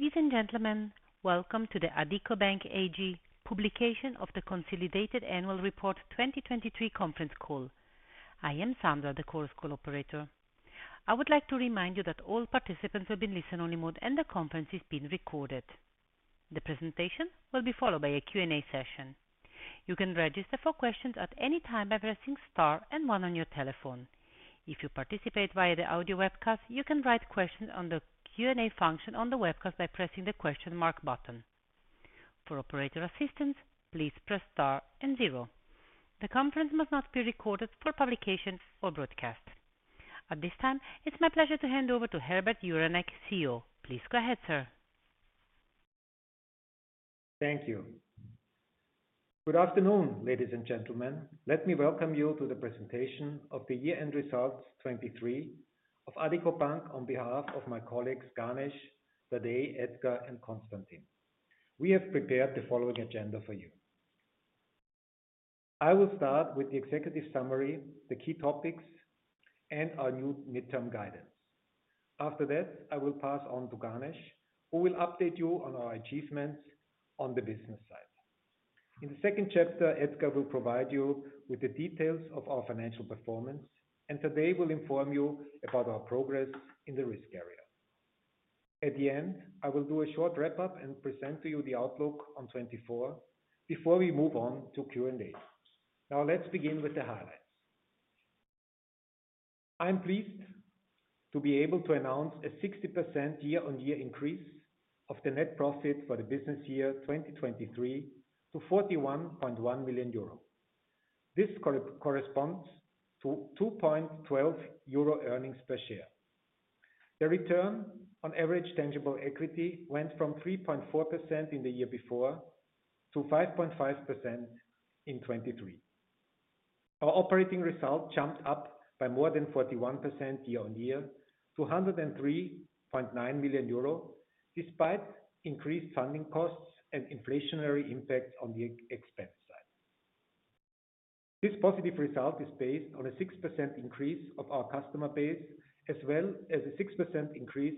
Ladies and gentlemen, welcome to the Addiko Bank AG publication of the Consolidated Annual Report 2023 conference call. I am Sandra, the call's operator. I would like to remind you that all participants have been placed in listen-only mode and the conference is being recorded. The presentation will be followed by a Q&A session. You can register for questions at any time by pressing star and one on your telephone. If you participate via the audio webcast, you can write questions on the Q&A function on the webcast by pressing the question mark button. For operator assistance, please press star and 0. The conference must not be recorded for publication or broadcast. At this time, it's my pleasure to hand over to Herbert Juranek, CEO. Please go ahead, sir. Thank you. Good afternoon, ladies and gentlemen. Let me welcome you to the presentation of the Year-End Results 2023 of Addiko Bank on behalf of my colleagues Ganesh, Tadej, Edgar, and Constantin. We have prepared the following agenda for you. I will start with the executive summary, the key topics, and our new midterm guidance. After that, I will pass on to Ganesh, who will update you on our achievements on the business side. In the second chapter, Edgar will provide you with the details of our financial performance, and Tadej will inform you about our progress in the risk area. At the end, I will do a short wrap-up and present to you the outlook on 2024 before we move on to Q&A. Now, let's begin with the highlights. I'm pleased to be able to announce a 60% year-on-year increase of the net profit for the business year 2023 to 41.1 million euro. This corresponds to 2.12 euro earnings per share. The return on average tangible equity went from 3.4% in the year before to 5.5% in 2023. Our operating result jumped up by more than 41% year-on-year to 103.9 million euro, despite increased funding costs and inflationary impacts on the expense side. This positive result is based on a 6% increase of our customer base as well as a 6% increase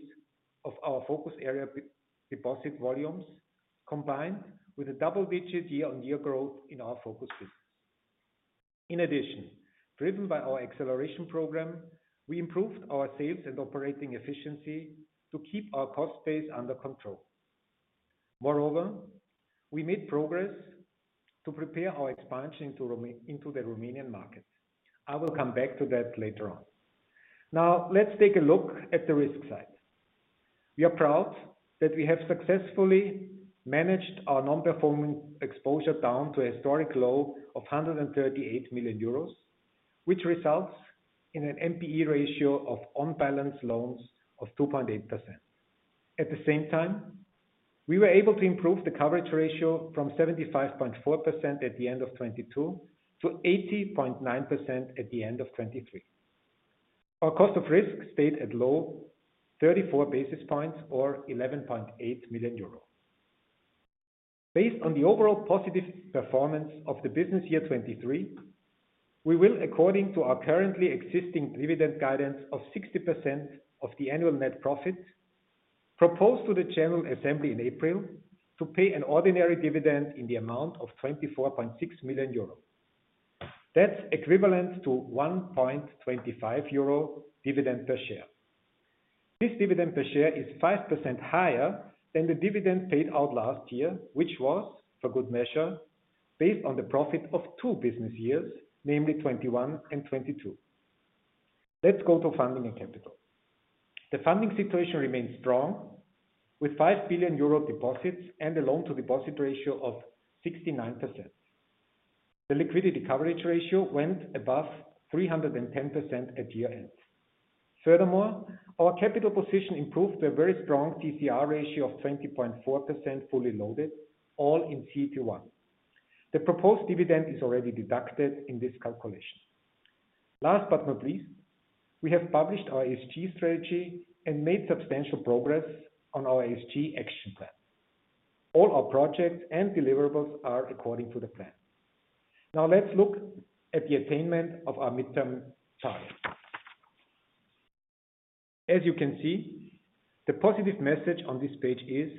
of our focus area deposit volumes combined with a double-digit year-on-year growth in our focus business. In addition, driven by our acceleration program, we improved our sales and operating efficiency to keep our cost base under control. Moreover, we made progress to prepare our expansion into the Romanian market. I will come back to that later on. Now, let's take a look at the risk side. We are proud that we have successfully managed our non-performing exposure down to a historic low of 138 million euros, which results in an NPE ratio of unbalanced loans of 2.8%. At the same time, we were able to improve the coverage ratio from 75.4% at the end of 2022 to 80.9% at the end of 2023. Our cost of risk stayed at low 34 basis points or 11.8 million euro. Based on the overall positive performance of the business year 2023, we will, according to our currently existing dividend guidance of 60% of the annual net profit proposed to the General Assembly in April, pay an ordinary dividend in the amount of 24.6 million euro. That's equivalent to 1.25 euro dividend per share. This dividend per share is 5% higher than the dividend paid out last year, which was, for good measure, based on the profit of two business years, namely 2021 and 2022. Let's go to funding and capital. The funding situation remains strong with 5 billion euro deposits and a loan-to-deposit ratio of 69%. The liquidity coverage ratio went above 310% at year-end. Furthermore, our capital position improved to a very strong TCR ratio of 20.4% fully loaded, all in CET1. The proposed dividend is already deducted in this calculation. Last but not least, we have published our ESG strategy and made substantial progress on our ESG action plan. All our projects and deliverables are according to the plan. Now, let's look at the attainment of our midterm target. As you can see, the positive message on this page is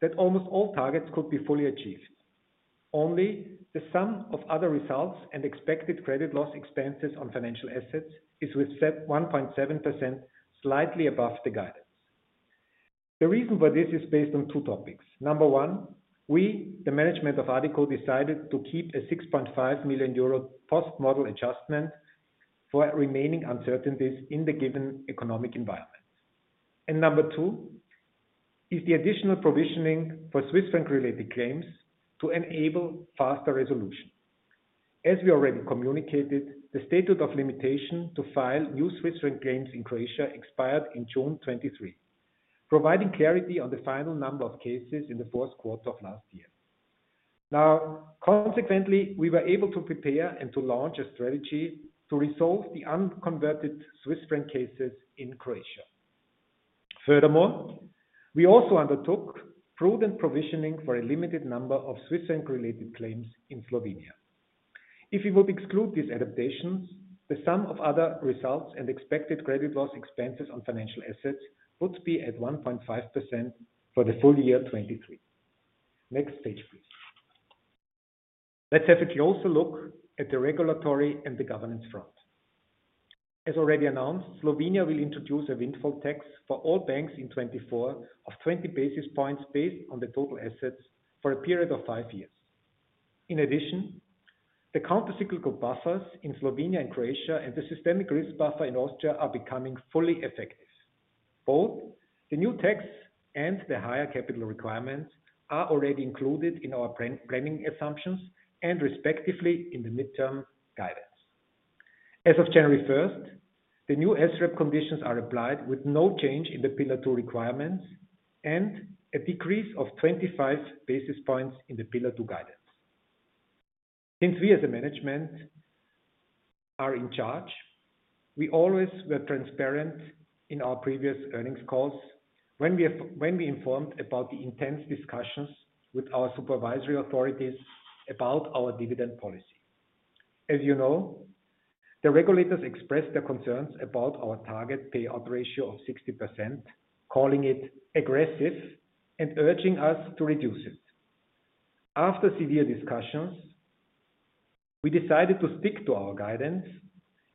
that almost all targets could be fully achieved. Only the sum of other results and expected credit loss expenses on financial assets is with 1.7% slightly above the guidance. The reason for this is based on two topics. Number one, we, the management of Addiko, decided to keep a 6.5 million euro post-model adjustment for remaining uncertainties in the given economic environment. Number two is the additional provisioning for Swiss Franc-related claims to enable faster resolution. As we already communicated, the statute of limitation to file new Swiss Franc claims in Croatia expired in June 2023, providing clarity on the final number of cases in the fourth quarter of last year. Now, consequently, we were able to prepare and to launch a strategy to resolve the unconverted Swiss Franc cases in Croatia. Furthermore, we also undertook prudent provisioning for a limited number of Swiss Franc-related claims in Slovenia. If we would exclude these adaptations, the sum of other results and expected credit loss expenses on financial assets would be at 1.5% for the full year 2023. Next page, please. Let's have a closer look at the regulatory and the governance front. As already announced, Slovenia will introduce a windfall tax for all banks in 2024 of 20 basis points based on the total assets for a period of five years. In addition, the countercyclical buffers in Slovenia and Croatia and the systemic risk buffer in Austria are becoming fully effective. Both the new tax and the higher capital requirements are already included in our planning assumptions and respectively in the midterm guidance. As of January 1st, the new SREP conditions are applied with no change in the Pillar 2 requirements and a decrease of 25 basis points in the Pillar 2 guidance. Since we, as a management, are in charge, we always were transparent in our previous earnings calls when we informed about the intense discussions with our supervisory authorities about our dividend policy. As you know, the regulators expressed their concerns about our target payout ratio of 60%, calling it aggressive and urging us to reduce it. After severe discussions, we decided to stick to our guidance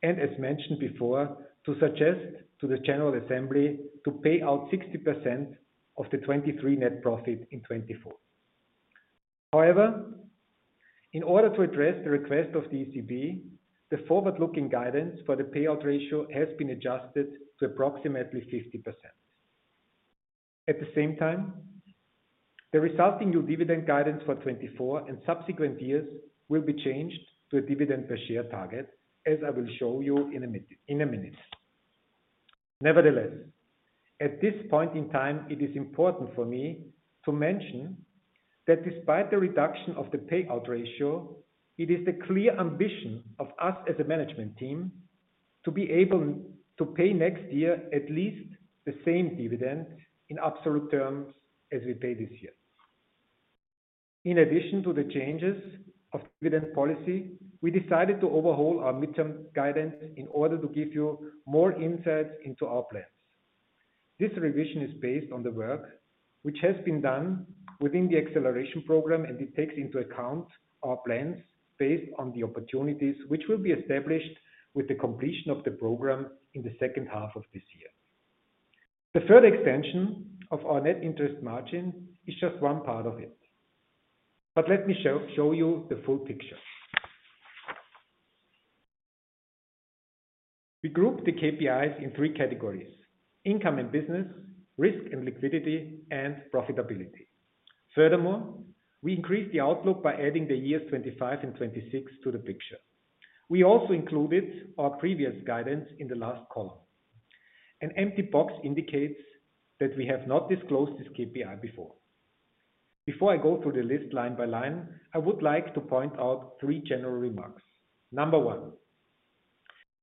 and, as mentioned before, to suggest to the General Assembly to pay out 60% of the 2023 net profit in 2024. However, in order to address the request of the ECB, the forward-looking guidance for the payout ratio has been adjusted to approximately 50%. At the same time, the resulting new dividend guidance for 2024 and subsequent years will be changed to a dividend per share target, as I will show you in a minute. Nevertheless, at this point in time, it is important for me to mention that despite the reduction of the payout ratio, it is the clear ambition of us as a management team to be able to pay next year at least the same dividend in absolute terms as we pay this year. In addition to the changes of dividend policy, we decided to overhaul our midterm guidance in order to give you more insights into our plans. This revision is based on the work which has been done within the acceleration program, and it takes into account our plans based on the opportunities which will be established with the completion of the program in the second half of this year. The third extension of our net interest margin is just one part of it. But let me show you the full picture. We grouped the KPIs in three categories: income and business, risk and liquidity, and profitability. Furthermore, we increased the outlook by adding the years 2025 and 2026 to the picture. We also included our previous guidance in the last column. An empty box indicates that we have not disclosed this KPI before. Before I go through the list line by line, I would like to point out three general remarks. Number one,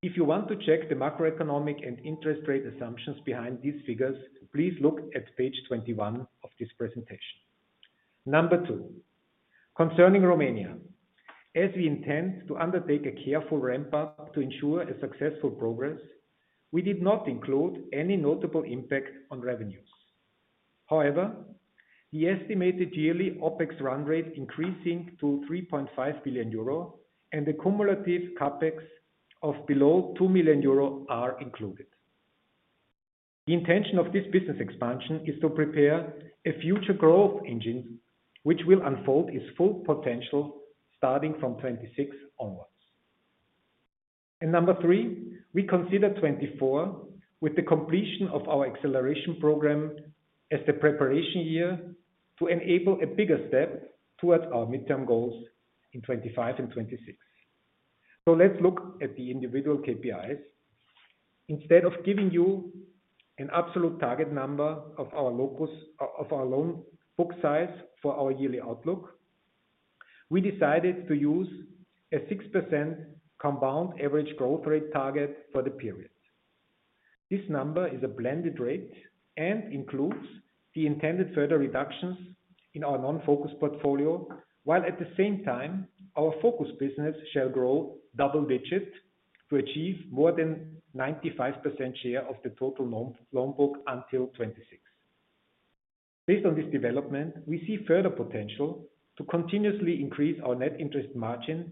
if you want to check the macroeconomic and interest rate assumptions behind these figures, please look at page 21 of this presentation. Number two, concerning Romania, as we intend to undertake a careful ramp-up to ensure a successful progress, we did not include any notable impact on revenues. However, the estimated yearly OPEX run rate increasing to 3.5 billion euro and the cumulative CAPEX of below 2 million euro are included. The intention of this business expansion is to prepare a future growth engine which will unfold its full potential starting from 2026 onwards. Number three, we consider 2024 with the completion of our acceleration program as the preparation year to enable a bigger step towards our midterm goals in 2025 and 2026. So let's look at the individual KPIs. Instead of giving you an absolute target number of our loan book size for our yearly outlook, we decided to use a 6% compound average growth rate target for the period. This number is a blended rate and includes the intended further reductions in our non-focus portfolio, while at the same time, our focus business shall grow double-digit to achieve more than 95% share of the total loan book until 2026. Based on this development, we see further potential to continuously increase our net interest margin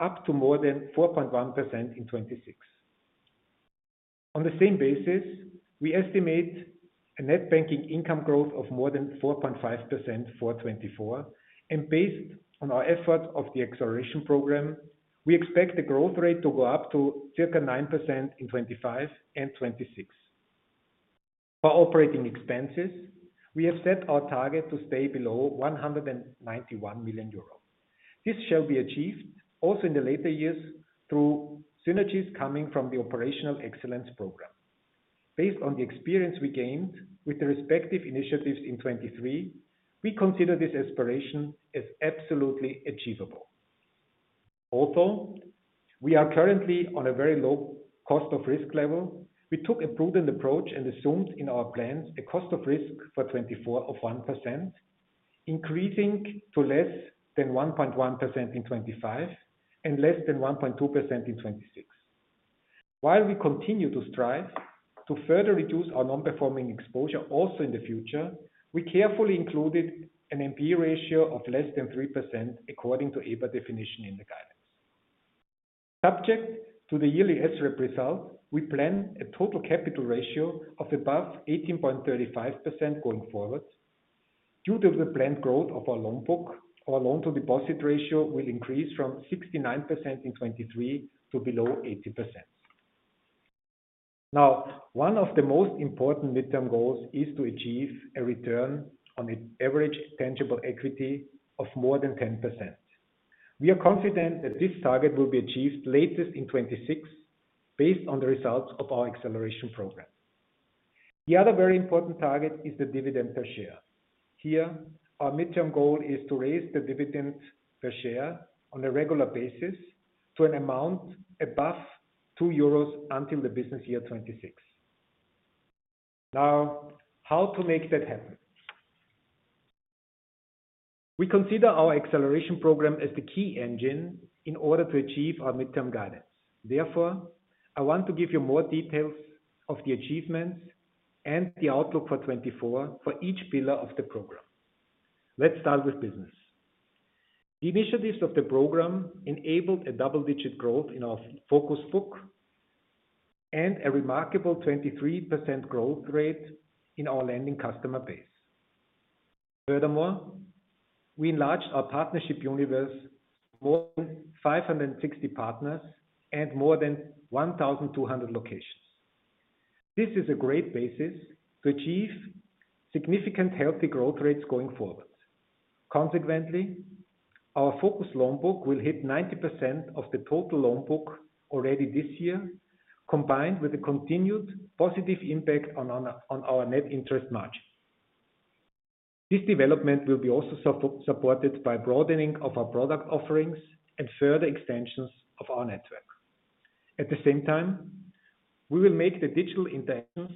up to more than 4.1% in 2026. On the same basis, we estimate a net banking income growth of more than 4.5% for 2024. And based on our efforts of the acceleration program, we expect the growth rate to go up to circa 9% in 2025 and 2026. For operating expenses, we have set our target to stay below 191 million euros. This shall be achieved also in the later years through synergies coming from the operational excellence program. Based on the experience we gained with the respective initiatives in 2023, we consider this aspiration as absolutely achievable. Although we are currently on a very low cost of risk level, we took a prudent approach and assumed in our plans a cost of risk for 2024 of 1%, increasing to less than 1.1% in 2025 and less than 1.2% in 2026. While we continue to strive to further reduce our non-performing exposure also in the future, we carefully included an NPE ratio of less than 3% according to EBA definition in the guidance. Subject to the yearly SREP result, we plan a total capital ratio of above 18.35% going forward. Due to the planned growth of our loan book, our loan-to-deposit ratio will increase from 69% in 2023 to below 80%. Now, one of the most important midterm goals is to achieve a return on average tangible equity of more than 10%. We are confident that this target will be achieved latest in 2026 based on the results of our acceleration program. The other very important target is the dividend per share. Here, our midterm goal is to raise the dividend per share on a regular basis to an amount above 2 euros until the business year 2026. Now, how to make that happen? We consider our acceleration program as the key engine in order to achieve our midterm guidance. Therefore, I want to give you more details of the achievements and the outlook for 2024 for each pillar of the program. Let's start with business. The initiatives of the program enabled a double-digit growth in our focus book and a remarkable 23% growth rate in our lending customer base. Furthermore, we enlarged our partnership universe with more than 560 partners and more than 1,200 locations. This is a great basis to achieve significant healthy growth rates going forward. Consequently, our focus loan book will hit 90% of the total loan book already this year, combined with a continued positive impact on our net interest margin. This development will be also supported by broadening of our product offerings and further extensions of our network. At the same time, we will make the digital interactions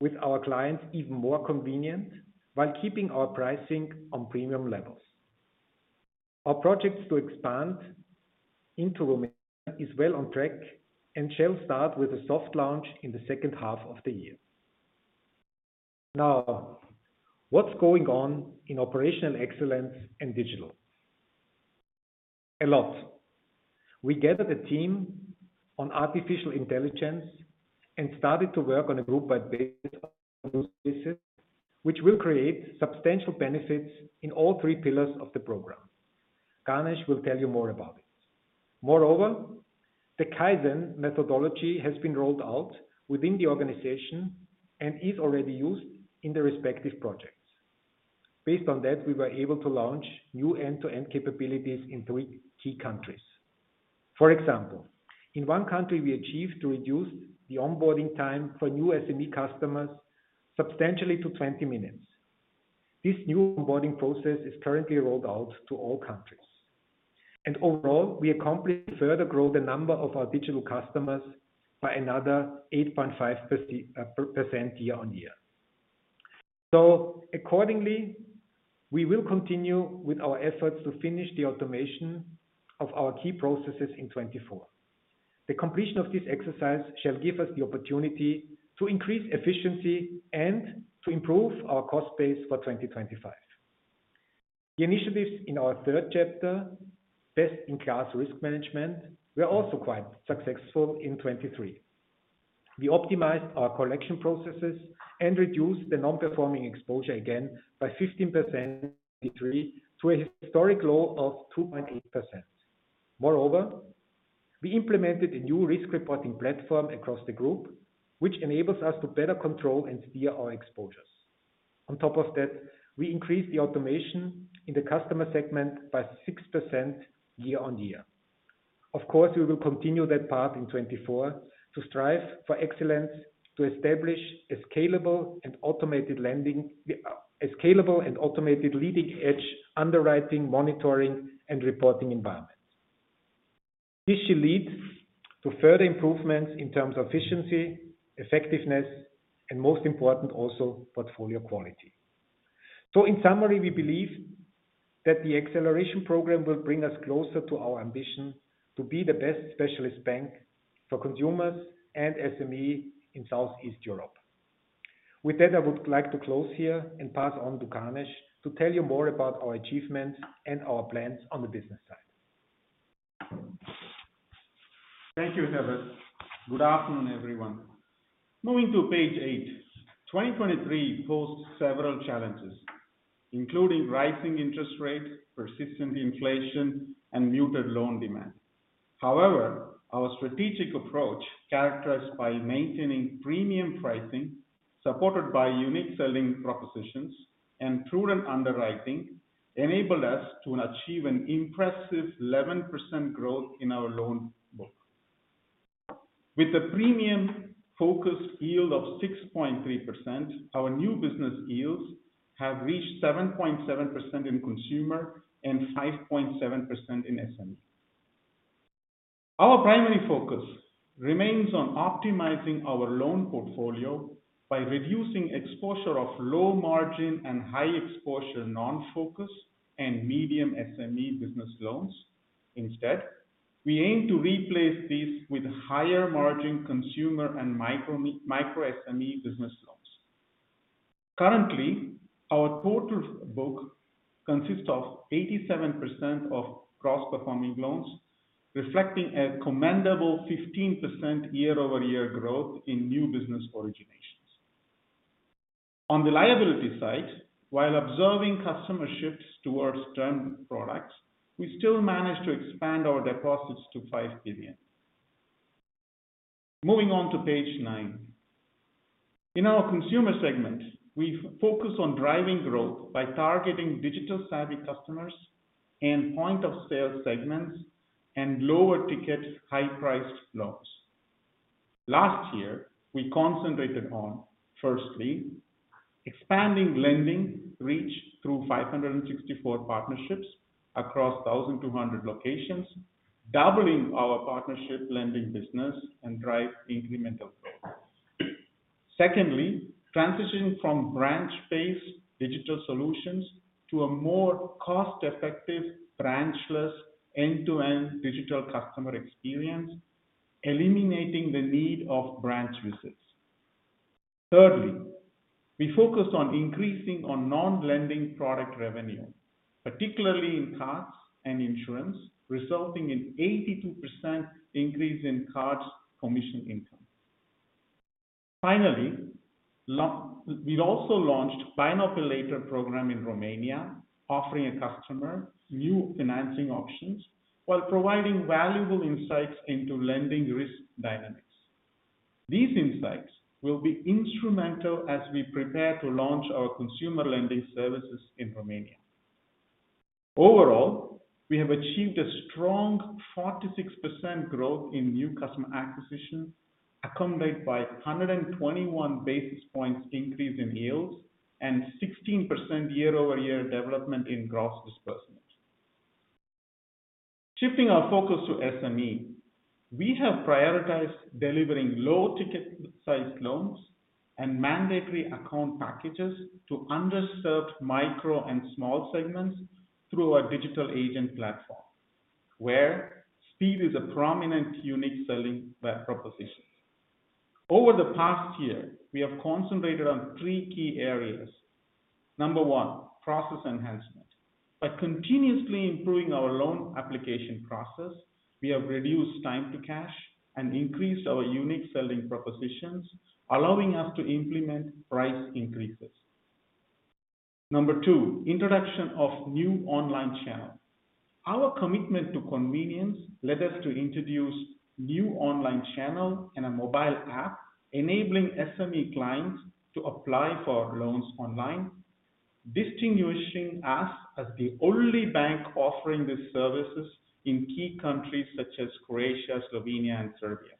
with our clients even more convenient while keeping our pricing on premium levels. Our projects to expand into Romania are well on track and shall start with a soft launch in the second half of the year. Now, what's going on in operational excellence and digital? A lot. We gathered a team on artificial intelligence and started to work on a group-wide basis on this, which will create substantial benefits in all three pillars of the program. Ganesh will tell you more about it. Moreover, the Kaizen methodology has been rolled out within the organization and is already used in the respective projects. Based on that, we were able to launch new end-to-end capabilities in three key countries. For example, in one country, we achieved to reduce the onboarding time for new SME customers substantially to 20 minutes. This new onboarding process is currently rolled out to all countries. Overall, we accomplished further growth in the number of our digital customers by another 8.5% year-over-year. Accordingly, we will continue with our efforts to finish the automation of our key processes in 2024. The completion of this exercise shall give us the opportunity to increase efficiency and to improve our cost base for 2025. The initiatives in our third chapter, best-in-class risk management, were also quite successful in 2023. We optimized our collection processes and reduced the non-performing exposure again by 15% in 2023 to a historic low of 2.8%. Moreover, we implemented a new risk reporting platform across the group, which enables us to better control and steer our exposures. On top of that, we increased the automation in the customer segment by 6% year on year. Of course, we will continue that path in 2024 to strive for excellence, to establish a scalable and automated leading-edge underwriting, monitoring, and reporting environment. This shall lead to further improvements in terms of efficiency, effectiveness, and most important, also portfolio quality. So in summary, we believe that the acceleration program will bring us closer to our ambition to be the best specialist bank for consumers and SME in Southeast Europe. With that, I would like to close here and pass on to Ganesh to tell you more about our achievements and our plans on the business side. Thank you, Herbert. Good afternoon, everyone. Moving to page eight, 2023 posed several challenges, including rising interest rate, persistent inflation, and muted loan demand. However, our strategic approach characterized by maintaining premium pricing supported by unique selling propositions and prudent underwriting enabled us to achieve an impressive 11% growth in our loan book. With the premium-focused yield of 6.3%, our new business yields have reached 7.7% in consumer and 5.7% in SME. Our primary focus remains on optimizing our loan portfolio by reducing exposure of low-margin and high-exposure non-focus and medium SME business loans. Instead, we aim to replace these with higher-margin consumer and micro-SME business loans. Currently, our total book consists of 87% of cross-performing loans, reflecting a commendable 15% year-over-year growth in new business originations. On the liability side, while observing customer shifts towards term products, we still managed to expand our deposits to 5 billion. Moving on to page nine, in our consumer segment, we focus on driving growth by targeting digital-savvy customers and point-of-sale segments and lower-ticket, high-priced loans. Last year, we concentrated on, firstly, expanding lending reach through 564 partnerships across 1,200 locations, doubling our partnership lending business, and driving incremental growth. Secondly, transitioning from branch-based digital solutions to a more cost-effective, branchless end-to-end digital customer experience, eliminating the need of branch visits. Thirdly, we focused on increasing non-lending product revenue, particularly in cards and insurance, resulting in an 82% increase in cards' commission income. Finally, we also launched the BNPL program in Romania, offering a customer new financing options while providing valuable insights into lending risk dynamics. These insights will be instrumental as we prepare to launch our consumer lending services in Romania. Overall, we have achieved a strong 46% growth in new customer acquisition, accompanied by a 121 basis points increase in yields and a 16% year-over-year development in gross disbursement. Shifting our focus to SME, we have prioritized delivering low-ticket-sized loans and mandatory account packages to underserved micro and small segments through our digital agent platform, where speed is a prominent unique selling proposition. Over the past year, we have concentrated on three key areas. Number one, process enhancement. By continuously improving our loan application process, we have reduced time to cash and increased our unique selling propositions, allowing us to implement price increases. Number two, introduction of new online channels. Our commitment to convenience led us to introduce new online channels and a mobile app enabling SME clients to apply for loans online, distinguishing us as the only bank offering these services in key countries such as Croatia, Slovenia, and Serbia.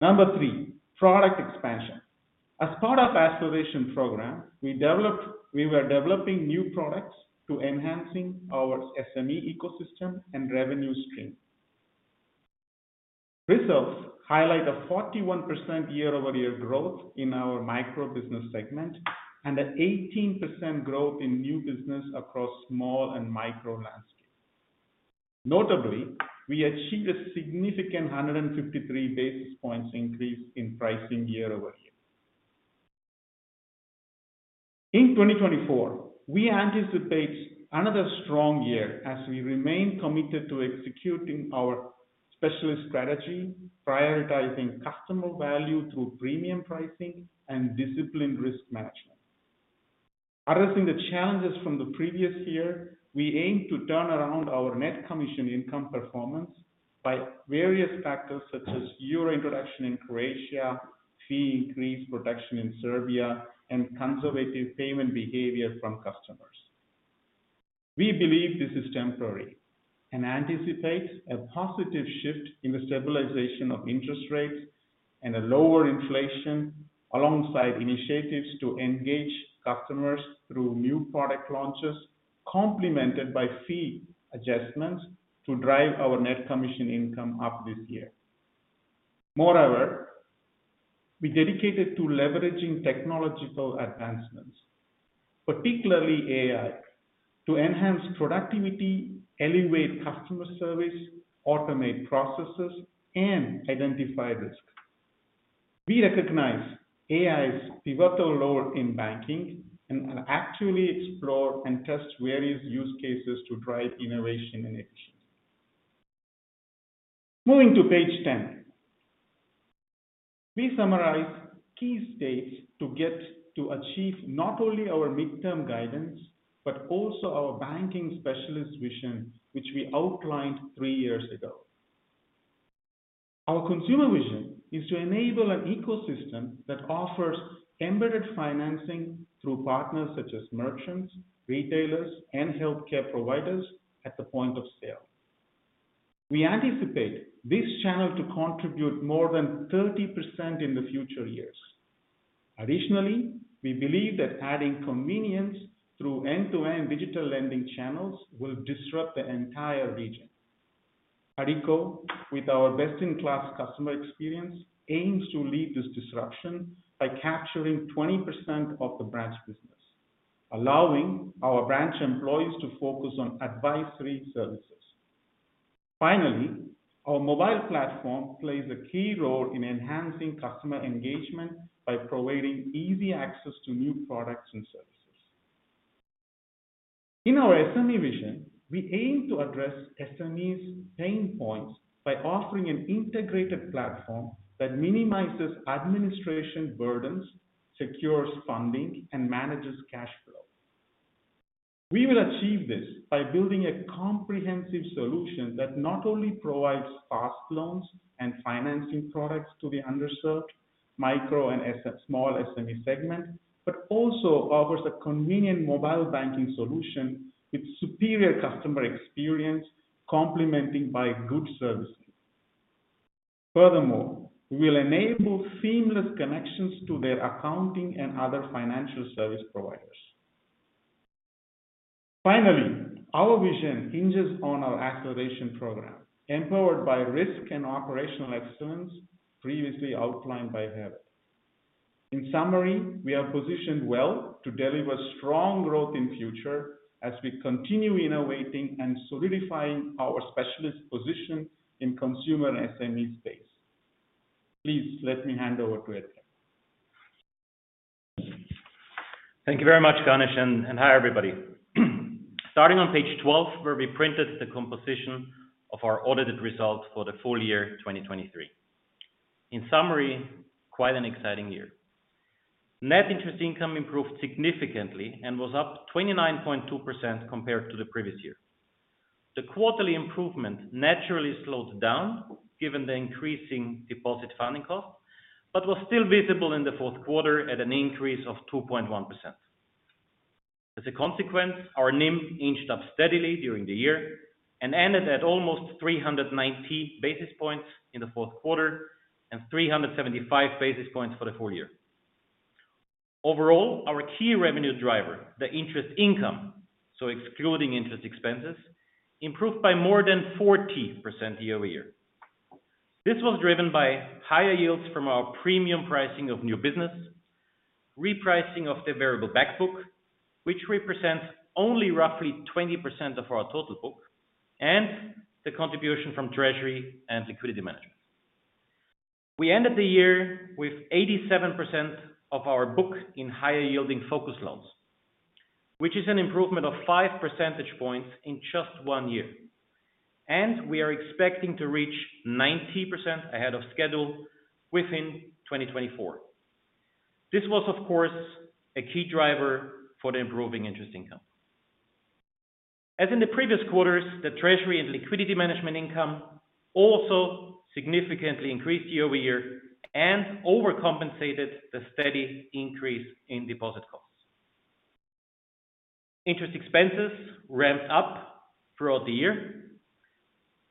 Number three, product expansion. As part of the acceleration program, we were developing new products to enhance our SME ecosystem and revenue stream. Results highlight a 41% year-over-year growth in our microbusiness segment and an 18% growth in new business across the small and micro landscape. Notably, we achieved a significant 153 basis points increase in pricing year-over-year. In 2024, we anticipate another strong year as we remain committed to executing our specialist strategy, prioritizing customer value through premium pricing and disciplined risk management. Addressing the challenges from the previous year, we aim to turn around our net commission income performance by various factors such as euro introduction in Croatia, fee increase protection in Serbia, and conservative payment behavior from customers. We believe this is temporary and anticipate a positive shift in the stabilization of interest rates and a lower inflation alongside initiatives to engage customers through new product launches complemented by fee adjustments to drive our net commission income up this year. Moreover, we dedicated ourselves to leveraging technological advancements, particularly AI, to enhance productivity, elevate customer service, automate processes, and identify risk. We recognize AI's pivotal role in banking and actually explore and test various use cases to drive innovation and efficiency. Moving to page 10, we summarize key states to achieve not only our midterm guidance but also our banking specialist vision, which we outlined three years ago. Our consumer vision is to enable an ecosystem that offers embedded financing through partners such as merchants, retailers, and healthcare providers at the point of sale. We anticipate this channel to contribute more than 30% in the future years. Additionally, we believe that adding convenience through end-to-end digital lending channels will disrupt the entire region. ADICO, with our best-in-class customer experience, aims to lead this disruption by capturing 20% of the branch business, allowing our branch employees to focus on advisory services. Finally, our mobile platform plays a key role in enhancing customer engagement by providing easy access to new products and services. In our SME vision, we aim to address SMEs' pain points by offering an integrated platform that minimizes administration burdens, secures funding, and manages cash flow. We will achieve this by building a comprehensive solution that not only provides fast loans and financing products to the underserved micro and small SME segment but also offers a convenient mobile banking solution with superior customer experience complemented by good servicing. Furthermore, we will enable seamless connections to their accounting and other financial service providers. Finally, our vision hinges on our acceleration program, empowered by risk and operational excellence previously outlined by Herbert. In summary, we are positioned well to deliver strong growth in the future as we continue innovating and solidifying our specialist position in the consumer and SME space. Please let me hand over to Edgar. Thank you very much, Ganesh, and hi, everybody. Starting on page 12, where we printed the composition of our audited result for the full year 2023. In summary, quite an exciting year. Net interest income improved significantly and was up 29.2% compared to the previous year. The quarterly improvement naturally slowed down given the increasing deposit funding cost but was still visible in the fourth quarter at an increase of 2.1%. As a consequence, our NIM inched up steadily during the year and ended at almost 390 basis points in the fourth quarter and 375 basis points for the full year. Overall, our key revenue driver, the interest income, so excluding interest expenses, improved by more than 40% year-over-year. This was driven by higher yields from our premium pricing of new business, repricing of the variable backbook, which represents only roughly 20% of our total book, and the contribution from Treasury and liquidity management. We ended the year with 87% of our book in higher-yielding Focus Loans, which is an improvement of five percentage points in just one year. We are expecting to reach 90% ahead of schedule within 2024. This was, of course, a key driver for the improving interest income. As in the previous quarters, the Treasury and liquidity management income also significantly increased year-over-year and overcompensated the steady increase in deposit costs. Interest expenses ramped up throughout the year.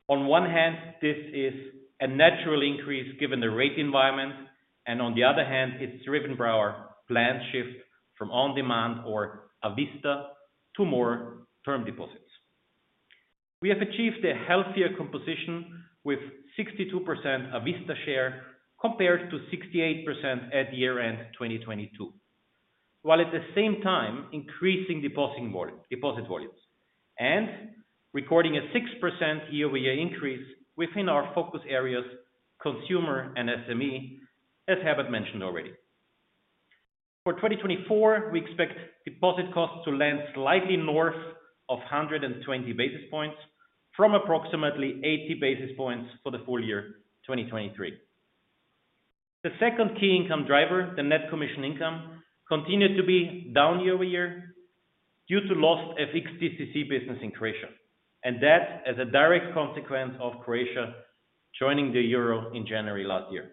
On one hand, this is a natural increase given the rate environment. And on the other hand, it's driven by our plan shift from on-demand or a vista to more term deposits. We have achieved a healthier composition with 62% A Vista share compared to 68% at year-end 2022, while at the same time increasing deposit volumes and recording a 6% year-over-year increase within our focus areas, consumer and SME, as Herbert mentioned already. For 2024, we expect deposit costs to land slightly north of 120 basis points from approximately 80 basis points for the full year 2023. The second key income driver, the net commission income, continued to be down year-over-year due to lost FX/DCC business in Croatia, and that as a direct consequence of Croatia joining the euro in January last year.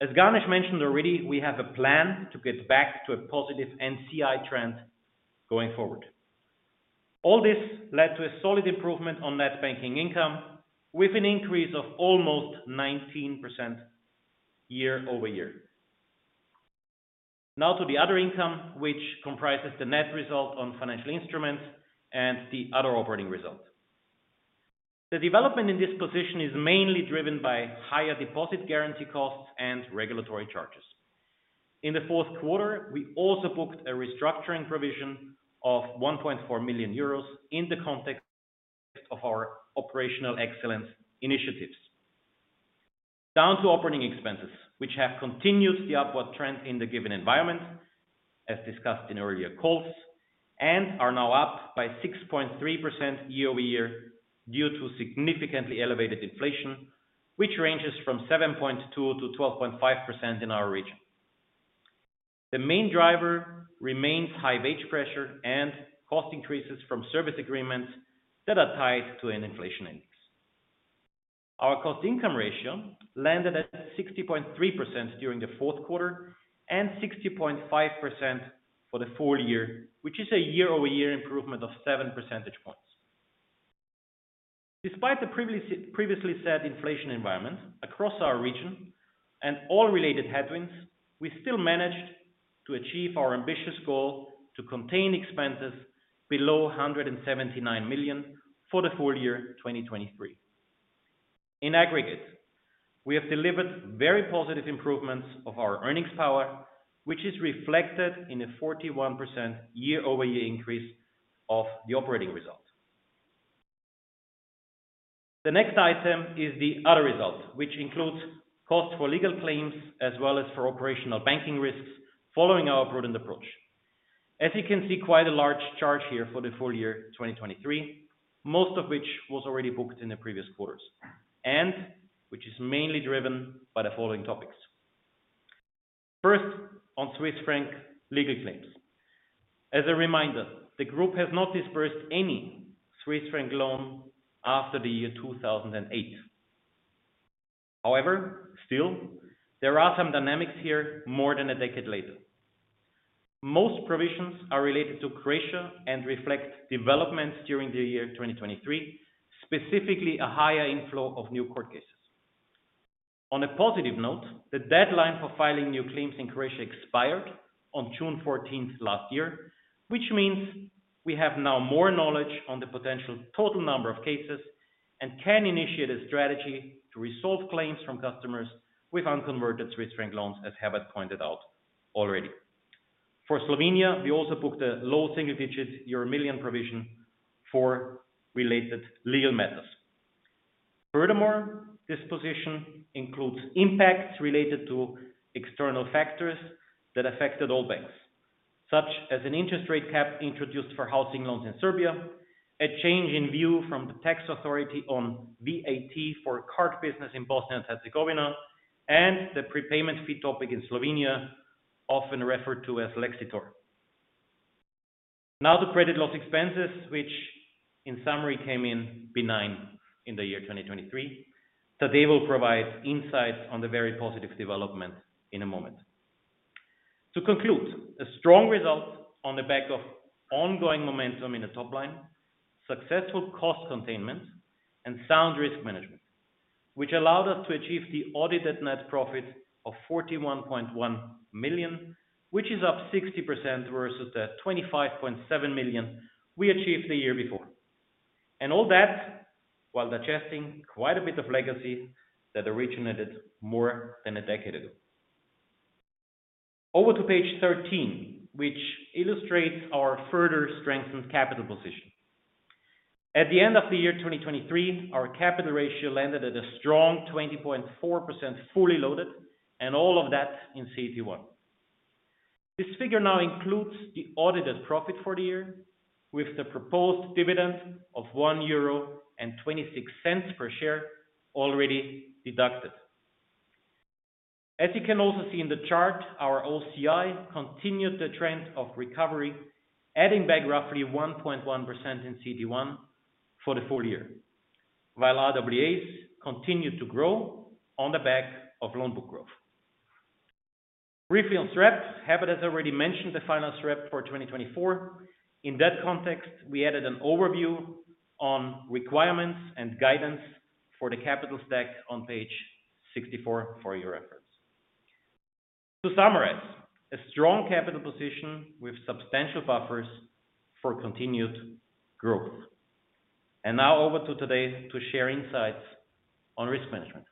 As Ganesh mentioned already, we have a plan to get back to a positive NCI trend going forward. All this led to a solid improvement on net banking income with an increase of almost 19% year-over-year. Now to the other income, which comprises the net result on financial instruments and the other operating results. The development in this position is mainly driven by higher deposit guarantee costs and regulatory charges. In the fourth quarter, we also booked a restructuring provision of 1.4 million euros in the context of our operational excellence initiatives. Down to operating expenses, which have continued the upward trend in the given environment, as discussed in earlier calls, and are now up by 6.3% year-over-year due to significantly elevated inflation, which ranges from 7.2%-12.5% in our region. The main driver remains high wage pressure and cost increases from service agreements that are tied to an inflation index. Our cost-to-income ratio landed at 60.3% during the fourth quarter and 60.5% for the full year, which is a year-over-year improvement of seven percentage points. Despite the previously said inflation environment across our region and all related headwinds, we still managed to achieve our ambitious goal to contain expenses below 179 million for the full year 2023. In aggregate, we have delivered very positive improvements of our earnings power, which is reflected in a 41% year-over-year increase of the operating result. The next item is the other result, which includes costs for legal claims as well as for operational banking risks following our prudent approach. As you can see, quite a large charge here for the full year 2023, most of which was already booked in the previous quarters, and which is mainly driven by the following topics. First, on Swiss franc legal claims. As a reminder, the group has not disbursed any Swiss franc loan after the year 2008. However, still, there are some dynamics here more than a decade later. Most provisions are related to Croatia and reflect developments during the year 2023, specifically a higher inflow of new court cases. On a positive note, the deadline for filing new claims in Croatia expired on June 14th last year, which means we have now more knowledge on the potential total number of cases and can initiate a strategy to resolve claims from customers with unconverted Swiss franc loans, as Herbert pointed out already. For Slovenia, we also booked a low single-digit euro million provision for related legal matters. Furthermore, this position includes impacts related to external factors that affected all banks, such as an interest rate cap introduced for housing loans in Serbia, a change in view from the tax authority on VAT for card business in Bosnia and Herzegovina, and the prepayment fee topic in Slovenia, often referred to as Lexitor. Now to credit loss expenses, which in summary came in benign in the year 2023. Tadej will provide insights on the very positive development in a moment. To conclude, a strong result on the back of ongoing momentum in the top line, successful cost containment, and sound risk management, which allowed us to achieve the audited net profit of 41.1 million, which is up 60% versus the 25.7 million we achieved the year before. And all that while adjusting quite a bit of legacy that originated more than a decade ago. Over to page 13, which illustrates our further strengthened capital position. At the end of the year 2023, our capital ratio landed at a strong 20.4% fully loaded, and all of that in CET1. This figure now includes the audited profit for the year with the proposed dividend of 1.26 euro per share already deducted. As you can also see in the chart, our OCI continued the trend of recovery, adding back roughly 1.1% in CET1 for the full year, while RWAs continued to grow on the back of loan book growth. Briefly on SREP, Herbert has already mentioned the final SREP for 2024. In that context, we added an overview on requirements and guidance for the capital stack on page 64 for your reference. To summarize, a strong capital position with substantial buffers for continued growth. And now over to Tadej to share insights on risk management.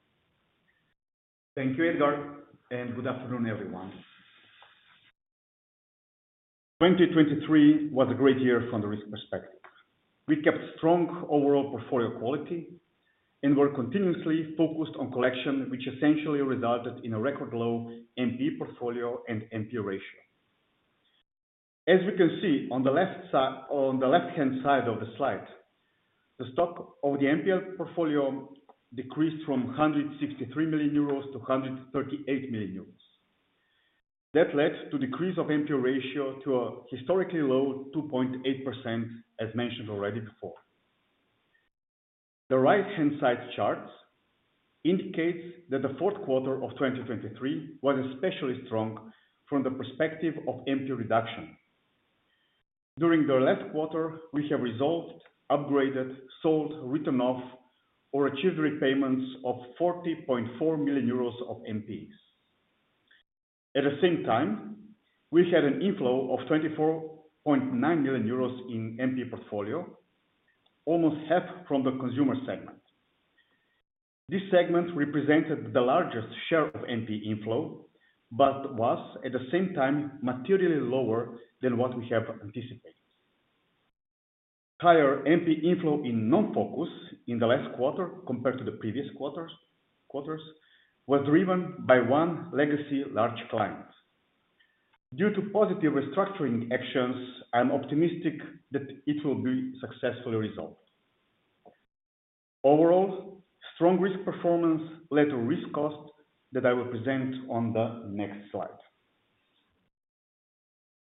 Thank you, Edgar, and good afternoon, everyone. 2023 was a great year from the risk perspective. We kept strong overall portfolio quality and were continuously focused on collection, which essentially resulted in a record low NPE portfolio and NPE ratio. As we can see on the left-hand side of the slide, the stock of the NPE portfolio decreased from 163 million-138 million euros. That led to a decrease of NPE ratio to a historically low 2.8%, as mentioned already before. The right-hand side chart indicates that the fourth quarter of 2023 was especially strong from the perspective of NPE reduction. During the last quarter, we have resolved, upgraded, sold, written off, or achieved repayments of 40.4 million euros of NPEs. At the same time, we had an inflow of 24.9 million euros in NPE portfolio, almost half from the consumer segment. This segment represented the largest share of NPE inflow but was at the same time materially lower than what we have anticipated. Higher NPE inflow in non-focus in the last quarter compared to the previous quarters was driven by one legacy large client. Due to positive restructuring actions, I'm optimistic that it will be successfully resolved. Overall, strong risk performance led to risk costs that I will present on the next slide.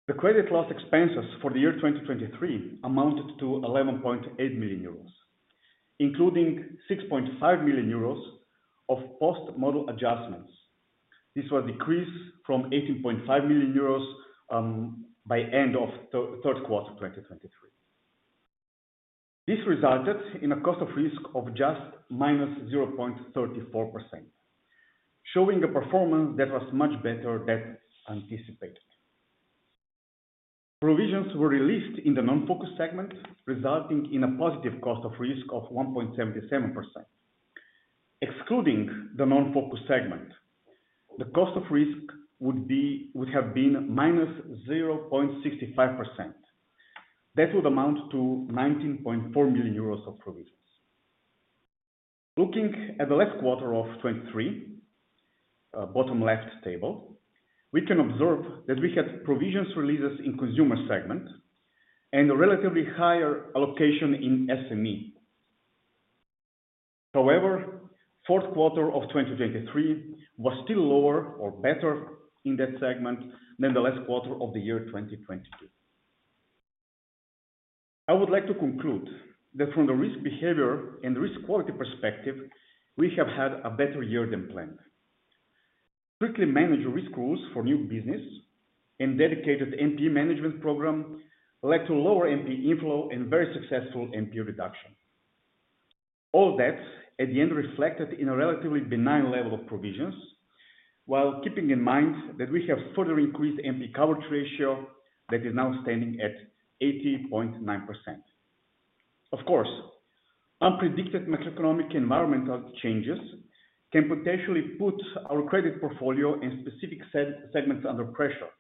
The credit loss expenses for the year 2023 amounted to 11.8 million euros, including 6.5 million euros of post-model adjustments. This was a decrease from 18.5 million euros by the end of the third quarter of 2023. This resulted in a cost of risk of just -0.34%, showing a performance that was much better than anticipated. Provisions were released in the non-focus segment, resulting in a positive cost of risk of 1.77%. Excluding the non-focus segment, the cost of risk would have been minus 0.65%. That would amount to 19.4 million euros of provisions. Looking at the last quarter of 2023, bottom left table, we can observe that we had provisions releases in consumer segment and a relatively higher allocation in SME. However, the fourth quarter of 2023 was still lower or better in that segment than the last quarter of the year 2022. I would like to conclude that from the risk behavior and risk quality perspective, we have had a better year than planned. Strictly managed risk rules for new business and dedicated NPE management program led to lower NPE inflow and very successful NPE reduction. All that, at the end, reflected in a relatively benign level of provisions while keeping in mind that we have further increased NPE coverage ratio that is now standing at 80.9%. Of course, unpredicted macroeconomic and environmental changes can potentially put our credit portfolio and specific segments under pressure.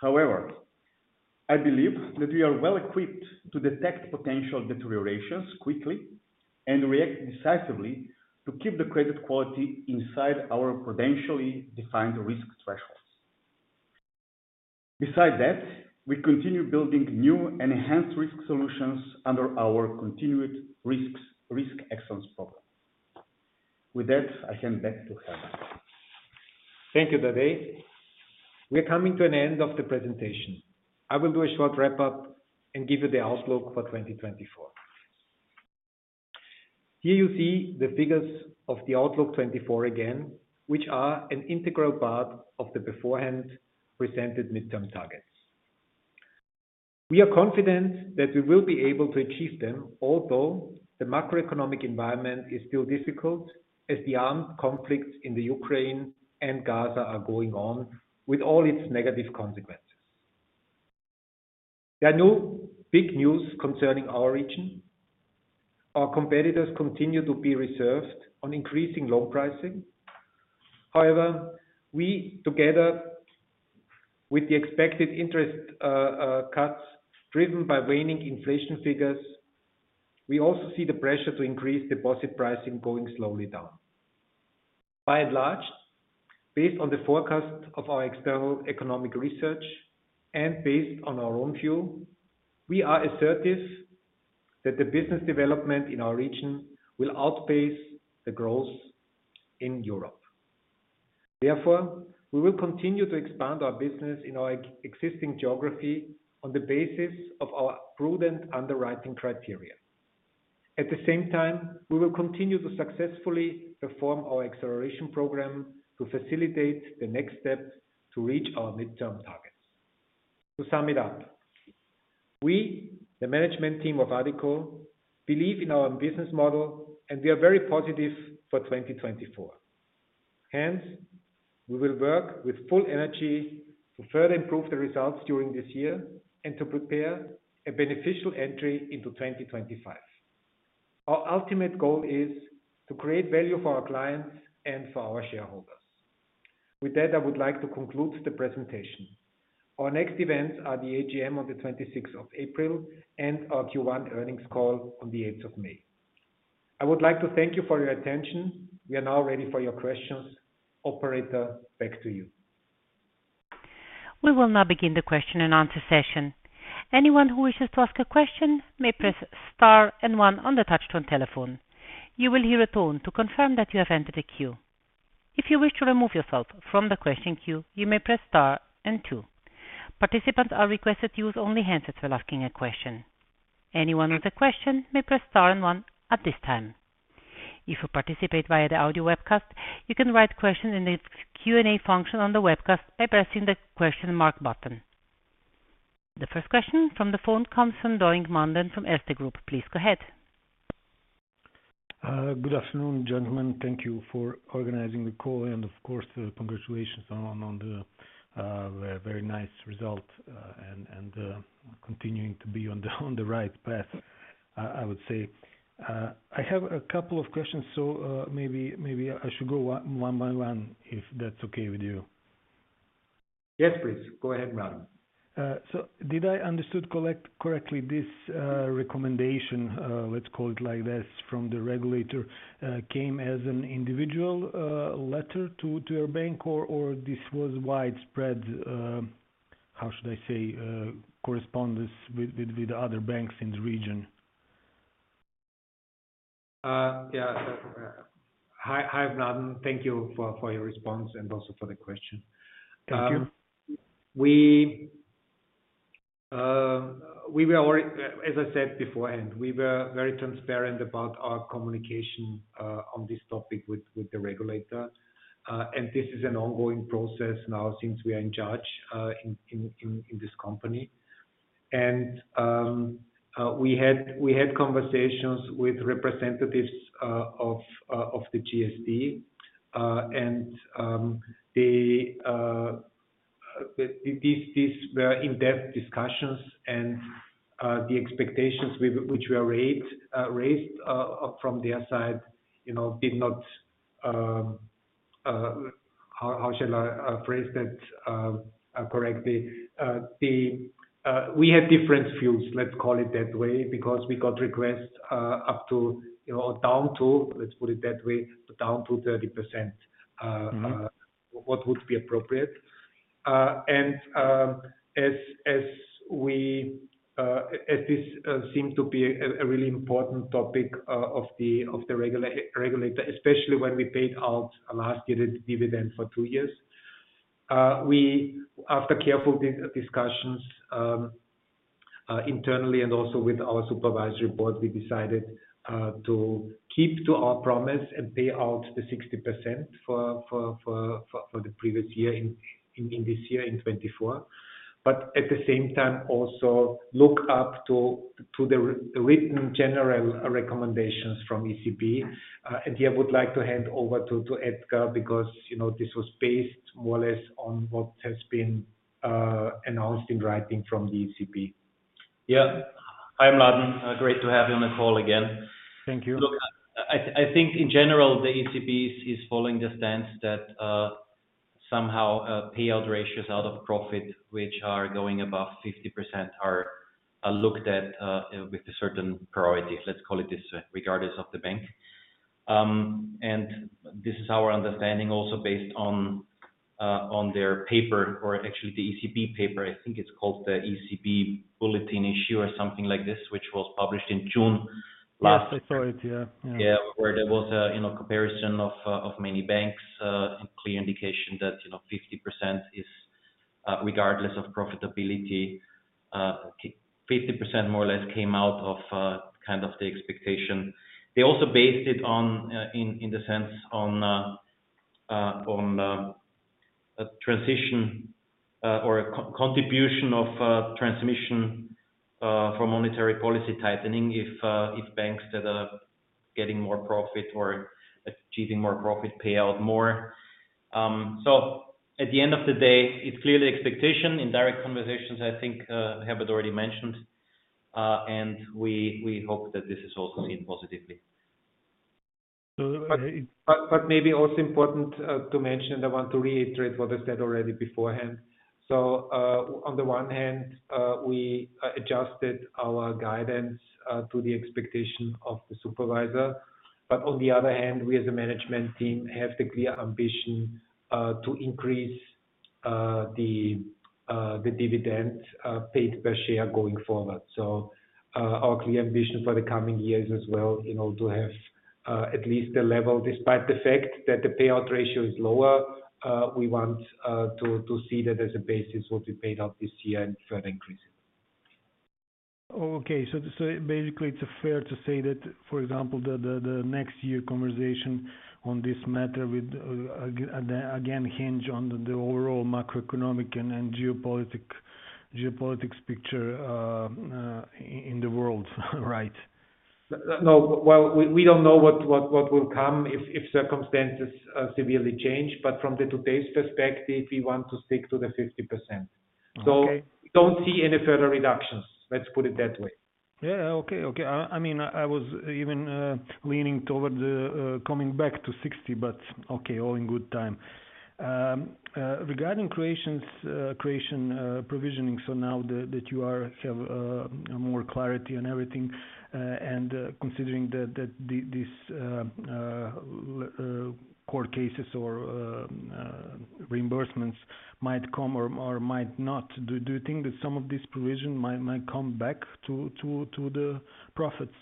However, I believe that we are well equipped to detect potential deteriorations quickly and react decisively to keep the credit quality inside our prudentially defined risk thresholds. Besides that, we continue building new and enhanced risk solutions under our continued risk excellence program. With that, I hand back to Herbert. Thank you, Tadej. We are coming to an end of the presentation. I will do a short wrap-up and give you the Outlook for 2024. Here you see the figures of the Outlook 2024 again, which are an integral part of the beforehand presented midterm targets. We are confident that we will be able to achieve them, although the macroeconomic environment is still difficult as the armed conflicts in Ukraine and Gaza are going on with all its negative consequences. There are no big news concerning our region. Our competitors continue to be reserved on increasing loan pricing. However, together with the expected interest cuts driven by waning inflation figures, we also see the pressure to increase deposit pricing going slowly down. By and large, based on the forecast of our external economic research and based on our own view, we are assertive that the business development in our region will outpace the growth in Europe. Therefore, we will continue to expand our business in our existing geography on the basis of our prudent underwriting criteria. At the same time, we will continue to successfully perform our acceleration program to facilitate the next step to reach our midterm targets. To sum it up, we, the management team of Addiko, believe in our business model, and we are very positive for 2024. Hence, we will work with full energy to further improve the results during this year and to prepare a beneficial entry into 2025. Our ultimate goal is to create value for our clients and for our shareholders. With that, I would like to conclude the presentation. Our next events are the AGM on the 26th of April and our Q1 earnings call on the 8th of May. I would like to thank you for your attention. We are now ready for your questions. Operator, back to you. We will now begin the question and answer session. Anyone who wishes to ask a question may press star and one on the touch-tone telephone. You will hear a tone to confirm that you have entered a queue. If you wish to remove yourself from the question queue, you may press star and two. Participants are requested to use only hands that are asking a question. Anyone with a question may press star and one at this time. If you participate via the audio webcast, you can write questions in the Q&A function on the webcast by pressing the question mark button. The first question from the phone comes from Mladen Dodig from Erste Group. Please go ahead. Good afternoon, gentlemen. Thank you for organizing the call. And of course, congratulations on the very nice result and continuing to be on the right path, I would say. I have a couple of questions. So maybe I should go one by one if that's okay with you. Yes, please. Go ahead, Madam. So, did I understand correctly this recommendation, let's call it like this, from the regulator came as an individual letter to your bank, or this was widespread, how should I say, correspondence with the other banks in the region? Yeah. Hi, Madam. Thank you for your response and also for the question. Thank you. As I said beforehand, we were very transparent about our communication on this topic with the regulator. This is an ongoing process now since we are in charge in this company. We had conversations with representatives of the JST. These were in-depth discussions. The expectations which were raised from their side did not, how shall I phrase that correctly? We had different views, let's call it that way, because we got requests up to or down to, let's put it that way, down to 30%, what would be appropriate. As this seemed to be a really important topic of the regulator, especially when we paid out last year the dividend for two years, after careful discussions internally and also with our supervisory board, we decided to keep to our promise and pay out the 60% for the previous year in this year, in 2024, but at the same time also look up to the written general recommendations from ECB. Here, I would like to hand over to Edgar because this was based more or less on what has been announced in writing from the ECB. Yeah. Hi, Madam. Great to have you on the call again. Thank you. Look, I think in general, the ECB is following the stance that somehow payout ratios out of profit, which are going above 50%, are looked at with a certain priority, let's call it this way, regardless of the bank. And this is our understanding also based on their paper or actually the ECB paper. I think it's called the ECB Bulletin Issue or something like this, which was published in June last. Yes, I saw it. Yeah. Yeah, where there was a comparison of many banks and clear indication that 50% is regardless of profitability. 50% more or less came out of kind of the expectation. They also based it, in the sense, on transition or contribution of transmission for monetary policy tightening if banks that are getting more profit or achieving more profit pay out more. So at the end of the day, it's clearly expectation. In direct conversations, I think Herbert already mentioned. And we hope that this is also seen positively. But maybe also important to mention, and I want to reiterate what I said already beforehand. So on the one hand, we adjusted our guidance to the expectation of the supervisor. But on the other hand, we as a management team have the clear ambition to increase the dividend paid per share going forward. So our clear ambition for the coming year is as well to have at least the level, despite the fact that the payout ratio is lower, we want to see that as a basis what we paid out this year and further increase it. Okay. So basically, it's fair to say that, for example, the next year conversation on this matter would again hinge on the overall macroeconomic and geopolitical picture in the world, right? No. Well, we don't know what will come if circumstances severely change. But from today's perspective, we want to stick to the 50%. So we don't see any further reductions. Let's put it that way. Yeah. Okay. Okay. I mean, I was even leaning toward coming back to 60, but okay, all in good time. Regarding Croatian provisioning, so now that you have more clarity on everything and considering that these core cases or reimbursements might come or might not, do you think that some of this provision might come back to the profits?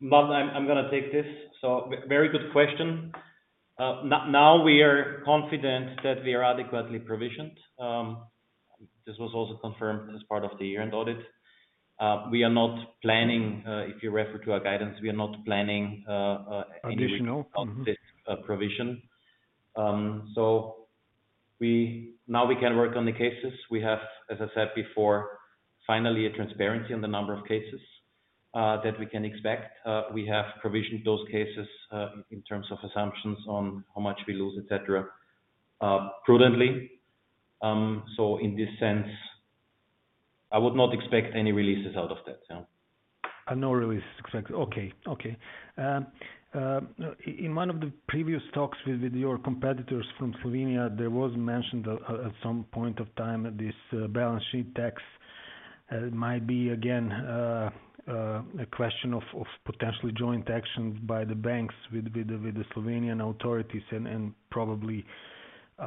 Madam, I'm going to take this. So very good question. Now we are confident that we are adequately provisioned. This was also confirmed as part of the year-end audit. We are not planning, if you refer to our guidance, we are not planning anything beyond this provision. So now we can work on the cases. We have, as I said before, finally a transparency on the number of cases that we can expect. We have provisioned those cases in terms of assumptions on how much we lose, etc., prudently. So in this sense, I would not expect any releases out of that. Yeah. No releases expected. Okay. Okay. In one of the previous talks with your competitors from Slovenia, there was mentioned at some point of time that this balance sheet tax might be, again, a question of potentially joint action by the banks with the Slovenian authorities and probably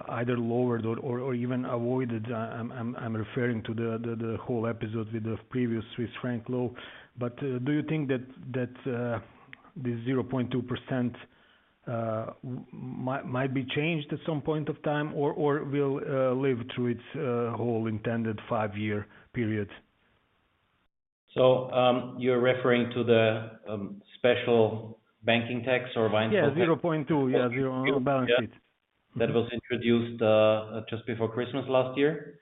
either lowered or even avoided. I'm referring to the whole episode with the previous Swiss franc law. But do you think that this 0.2% might be changed at some point of time, or will live through its whole intended five-year period? You're referring to the special banking tax or windfall tax? Yeah. 0.2. Yeah. Balance sheet. That was introduced just before Christmas last year.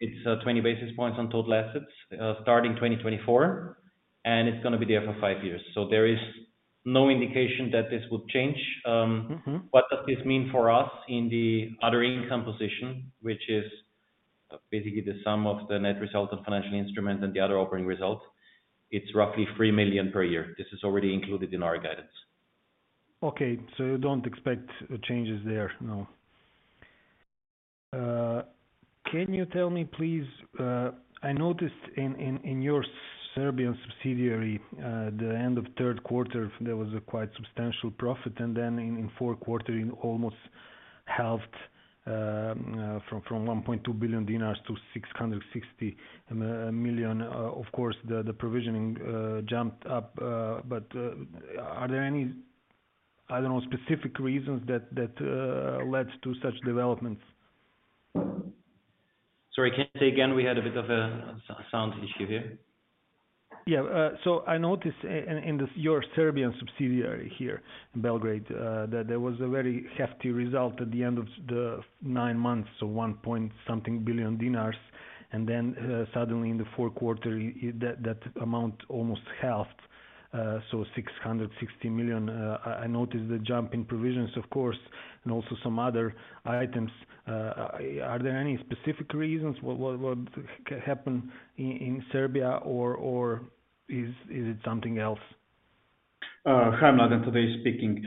It's 20 basis points on total assets starting 2024. It's going to be there for five years. There is no indication that this would change. What does this mean for us in the other income position, which is basically the sum of the net result on financial instruments and the other operating results? It's roughly 3 million per year. This is already included in our guidance. Okay. So you don't expect changes there, no? Can you tell me, please? I noticed in your Serbian subsidiary, the end of third quarter, there was a quite substantial profit. And then in fourth quarter, it almost halved from RSD 1.2 billion- RSD 660 million. Of course, the provisioning jumped up. But are there any, I don't know, specific reasons that led to such developments? Sorry. Can you say again? We had a bit of a sound issue here. Yeah. So I noticed in your Serbian subsidiary here in Belgrade, that there was a very hefty result at the end of the nine months, so RSD 1.something billion. And then suddenly, in the fourth quarter, that amount almost halved, so RSD 660 million. I noticed the jump in provisions, of course, and also some other items. Are there any specific reasons? What happened in Serbia, or is it something else? Hi, Madam. Tadej speaking.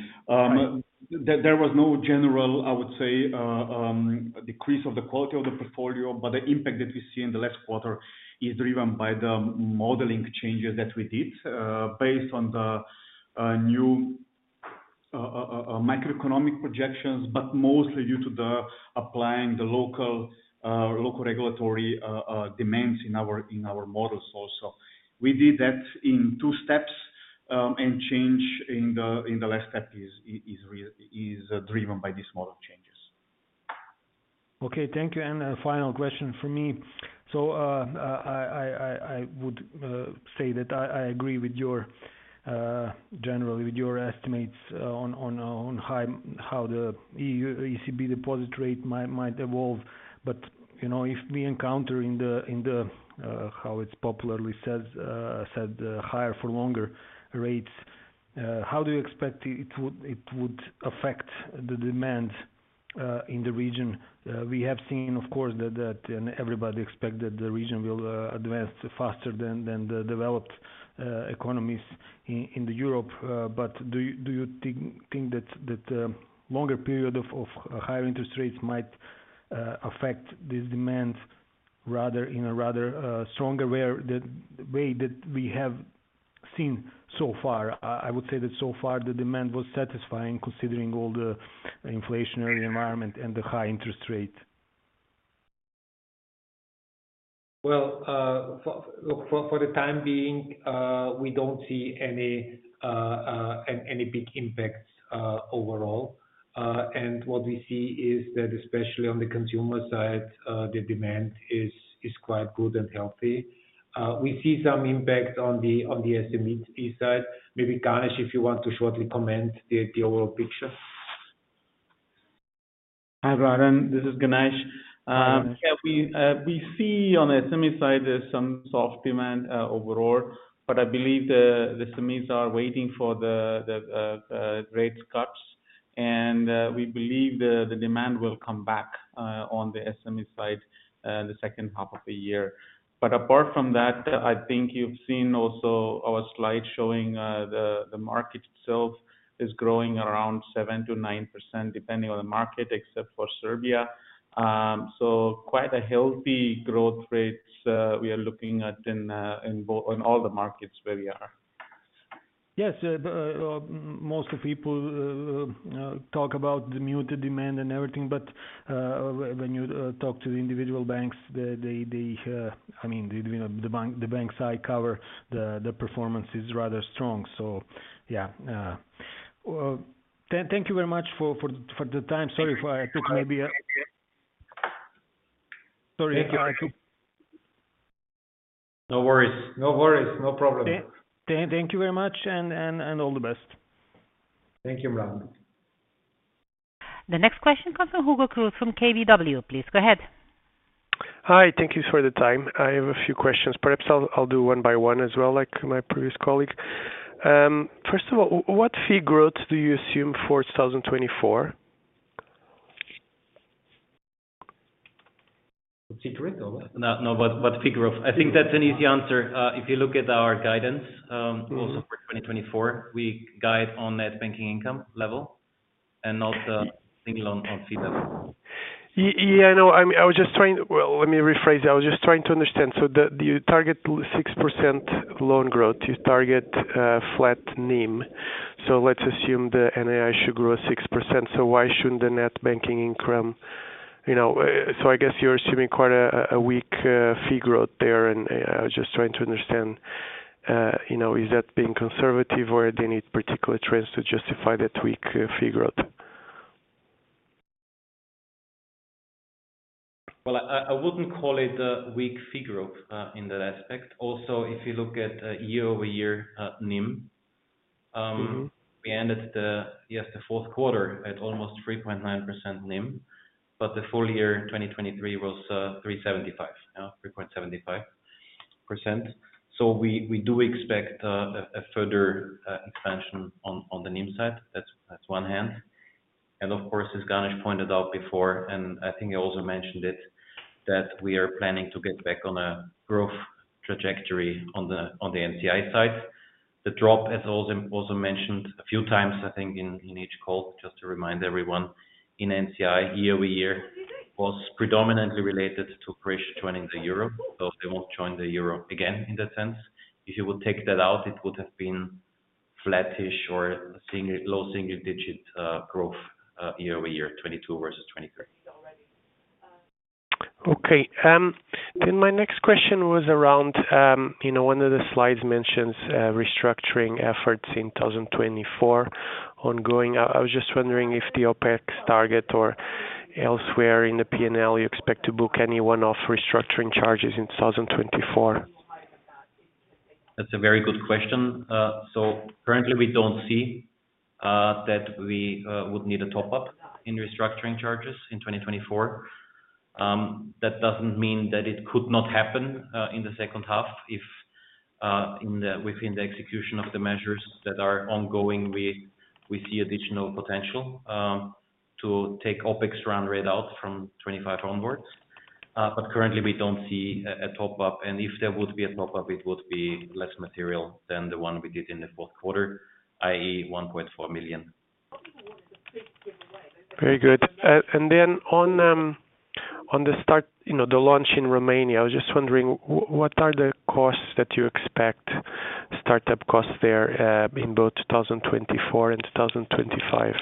There was no general, I would say, decrease of the quality of the portfolio, but the impact that we see in the last quarter is driven by the modeling changes that we did based on the new macroeconomic projections, but mostly due to applying the local regulatory demands in our models also. We did that in two steps. Change in the last step is driven by these model changes. Okay. Thank you. A final question for me. I would say that I agree generally with your estimates on how the ECB deposit rate might evolve. If we encounter in the, how it's popularly said, higher-for-longer rates, how do you expect it would affect the demand in the region? We have seen, of course, that everybody expects that the region will advance faster than the developed economies in Europe. Do you think that longer periods of higher interest rates might affect this demand in a rather stronger way that we have seen so far? I would say that so far, the demand was satisfying considering all the inflationary environment and the high interest rate. Well, look, for the time being, we don't see any big impacts overall. What we see is that especially on the consumer side, the demand is quite good and healthy. We see some impact on the SME side. Maybe, Ganesh, if you want to shortly comment the overall picture. Hi, Madam. This is Ganesh. Yeah, we see on the SME side some soft demand overall. But I believe the SMEs are waiting for the rate cuts. And we believe the demand will come back on the SME side in the second half of the year. But apart from that, I think you've seen also our slide showing the market itself is growing around 7%-9%, depending on the market, except for Serbia. So quite a healthy growth rates we are looking at in all the markets where we are. Yes. Most people talk about the muted demand and everything. But when you talk to the individual banks, I mean, the banks I cover, the performance is rather strong. So yeah. Thank you very much for the time. Sorry if I took maybe a. No worries. No worries. No problem. Thank you very much. All the best. Thank you, Madam. The next question comes from Hugo Cruz from KBW, please. Go ahead. Hi. Thank you for the time. I have a few questions. Perhaps I'll do one by one as well, like my previous colleague. First of all, what figure growth do you assume for 2024? What figure growth? No, whatever figure. I think that's an easy answer. If you look at our guidance also for 2024, we guide on net banking income level and not single on fee level. Yeah. I know. I mean, I was just trying, well, let me rephrase it. I was just trying to understand. So you target 6% loan growth. You target flat NIM. So let's assume the NII should grow 6%. So why shouldn't the net banking income, so I guess you're assuming quite a weak fee growth there. And I was just trying to understand, is that being conservative, or do you need particular trends to justify that weak fee growth? Well, I wouldn't call it weak fee growth in that aspect. Also, if you look at year-over-year NIM, we ended, yes, the fourth quarter at almost 3.9% NIM. But the full year, 2023, was 3.75%. So we do expect a further expansion on the NIM side. That's one hand. And of course, as Ganesh pointed out before, and I think he also mentioned it, that we are planning to get back on a growth trajectory on the NCI side. The drop, as also mentioned a few times, I think, in each call, just to remind everyone, in NCI, year-over-year, was predominantly related to Croatia joining the Euro. So they won't join the Euro again in that sense. If you would take that out, it would have been flattish or low single-digit growth year-over-year, 2022 versus 2023. Okay. Then my next question was around one of the slides mentions restructuring efforts in 2024 ongoing. I was just wondering if the opex target or elsewhere in the PNL, you expect to book any one-off restructuring charges in 2024? That's a very good question. So currently, we don't see that we would need a top-up in restructuring charges in 2024. That doesn't mean that it could not happen in the second half. Within the execution of the measures that are ongoing, we see additional potential to take NPEs' run rate out from 2025 onwards. But currently, we don't see a top-up. And if there would be a top-up, it would be less material than the one we did in the fourth quarter, i.e., 1.4 million. Very good. Then on the launch in Romania, I was just wondering, what are the costs that you expect, startup costs there, in both 2024 and 2025?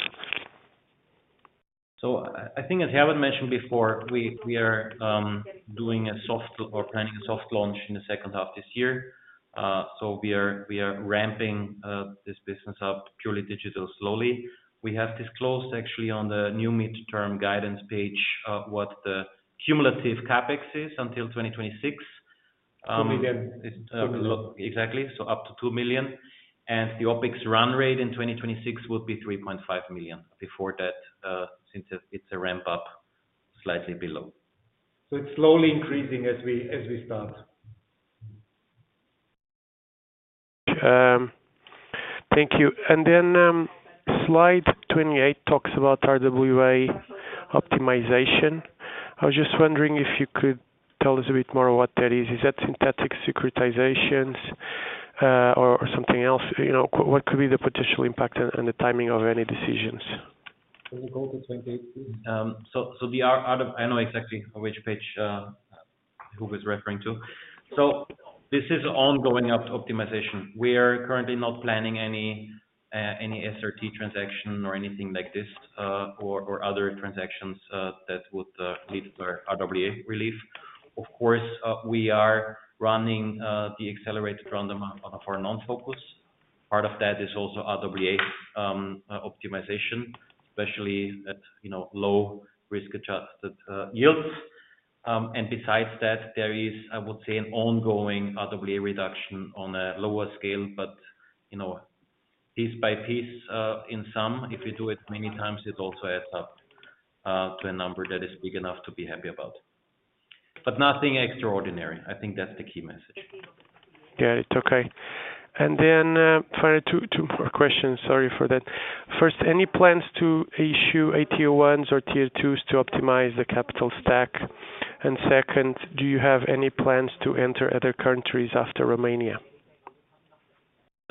So I think, as I haven't mentioned before, we are doing a soft or planning a soft launch in the second half this year. So we are ramping this business up purely digital slowly. We have disclosed, actually, on the new midterm guidance page what the cumulative CapEx is until 2026. 2 million. Exactly. So up to 2 million. And the Opex run rate in 2026 would be 3.5 million. Before that, since it's a ramp-up slightly below. It's slowly increasing as we start. Thank you. Then slide 28 talks about RWA optimization. I was just wondering if you could tell us a bit more what that is. Is that synthetic securitizations or something else? What could be the potential impact and the timing of any decisions? Can you go to 28? So I know exactly which page Hugo is referring to. So this is ongoing optimization. We are currently not planning any SRT transaction or anything like this or other transactions that would lead to RWA relief. Of course, we are running the accelerated run of our non-focus. Part of that is also RWA optimization, especially at low-risk adjusted yields. And besides that, there is, I would say, an ongoing RWA reduction on a lower scale. But piece by piece, in sum, if you do it many times, it also adds up to a number that is big enough to be happy about. But nothing extraordinary. I think that's the key message. Got it. Okay. And then finally, two more questions. Sorry for that. First, any plans to issue a Tier 1s or Tier 2s to optimize the capital stack? And second, do you have any plans to enter other countries after Romania?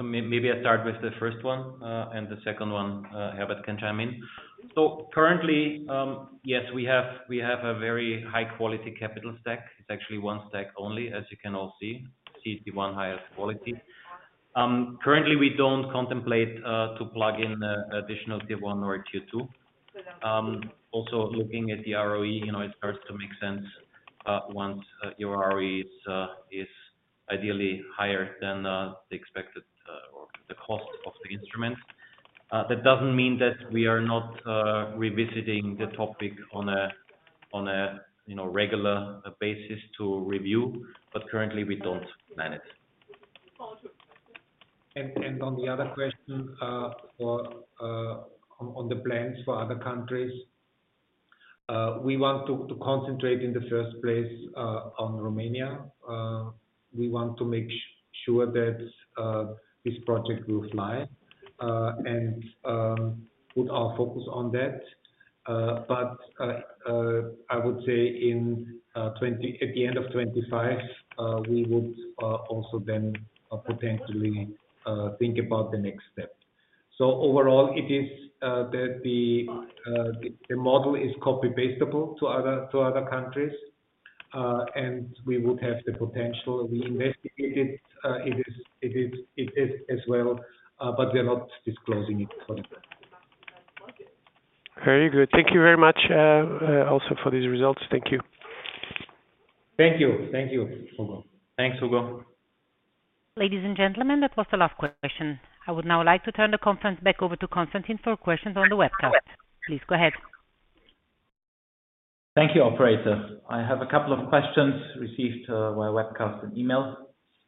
Maybe I start with the first one. The second one, Herbert, can chime in. Currently, yes, we have a very high-quality capital stack. It's actually one stack only, as you can all see. CET1 highest quality. Currently, we don't contemplate plugging additional Tier 1 or Tier 2. Also, looking at the ROE, it starts to make sense once your ROE is ideally higher than the expected or the cost of the instruments. That doesn't mean that we are not revisiting the topic on a regular basis to review. But currently, we don't plan it. On the other question on the plans for other countries, we want to concentrate in the first place on Romania. We want to make sure that this project will fly and put our focus on that. But I would say at the end of 2025, we would also then potentially think about the next step. So overall, it is that the model is copy-pastable to other countries. And we would have the potential. We investigated it as well. But we are not disclosing it for the present. Very good. Thank you very much also for these results. Thank you. Thank you. Thank you, Hugo. Thanks, Hugo. Ladies and gentlemen, that was the last question. I would now like to turn the conference back over to Constantin for questions on the webcast. Please go ahead. Thank you, operator. I have a couple of questions received via webcast and email.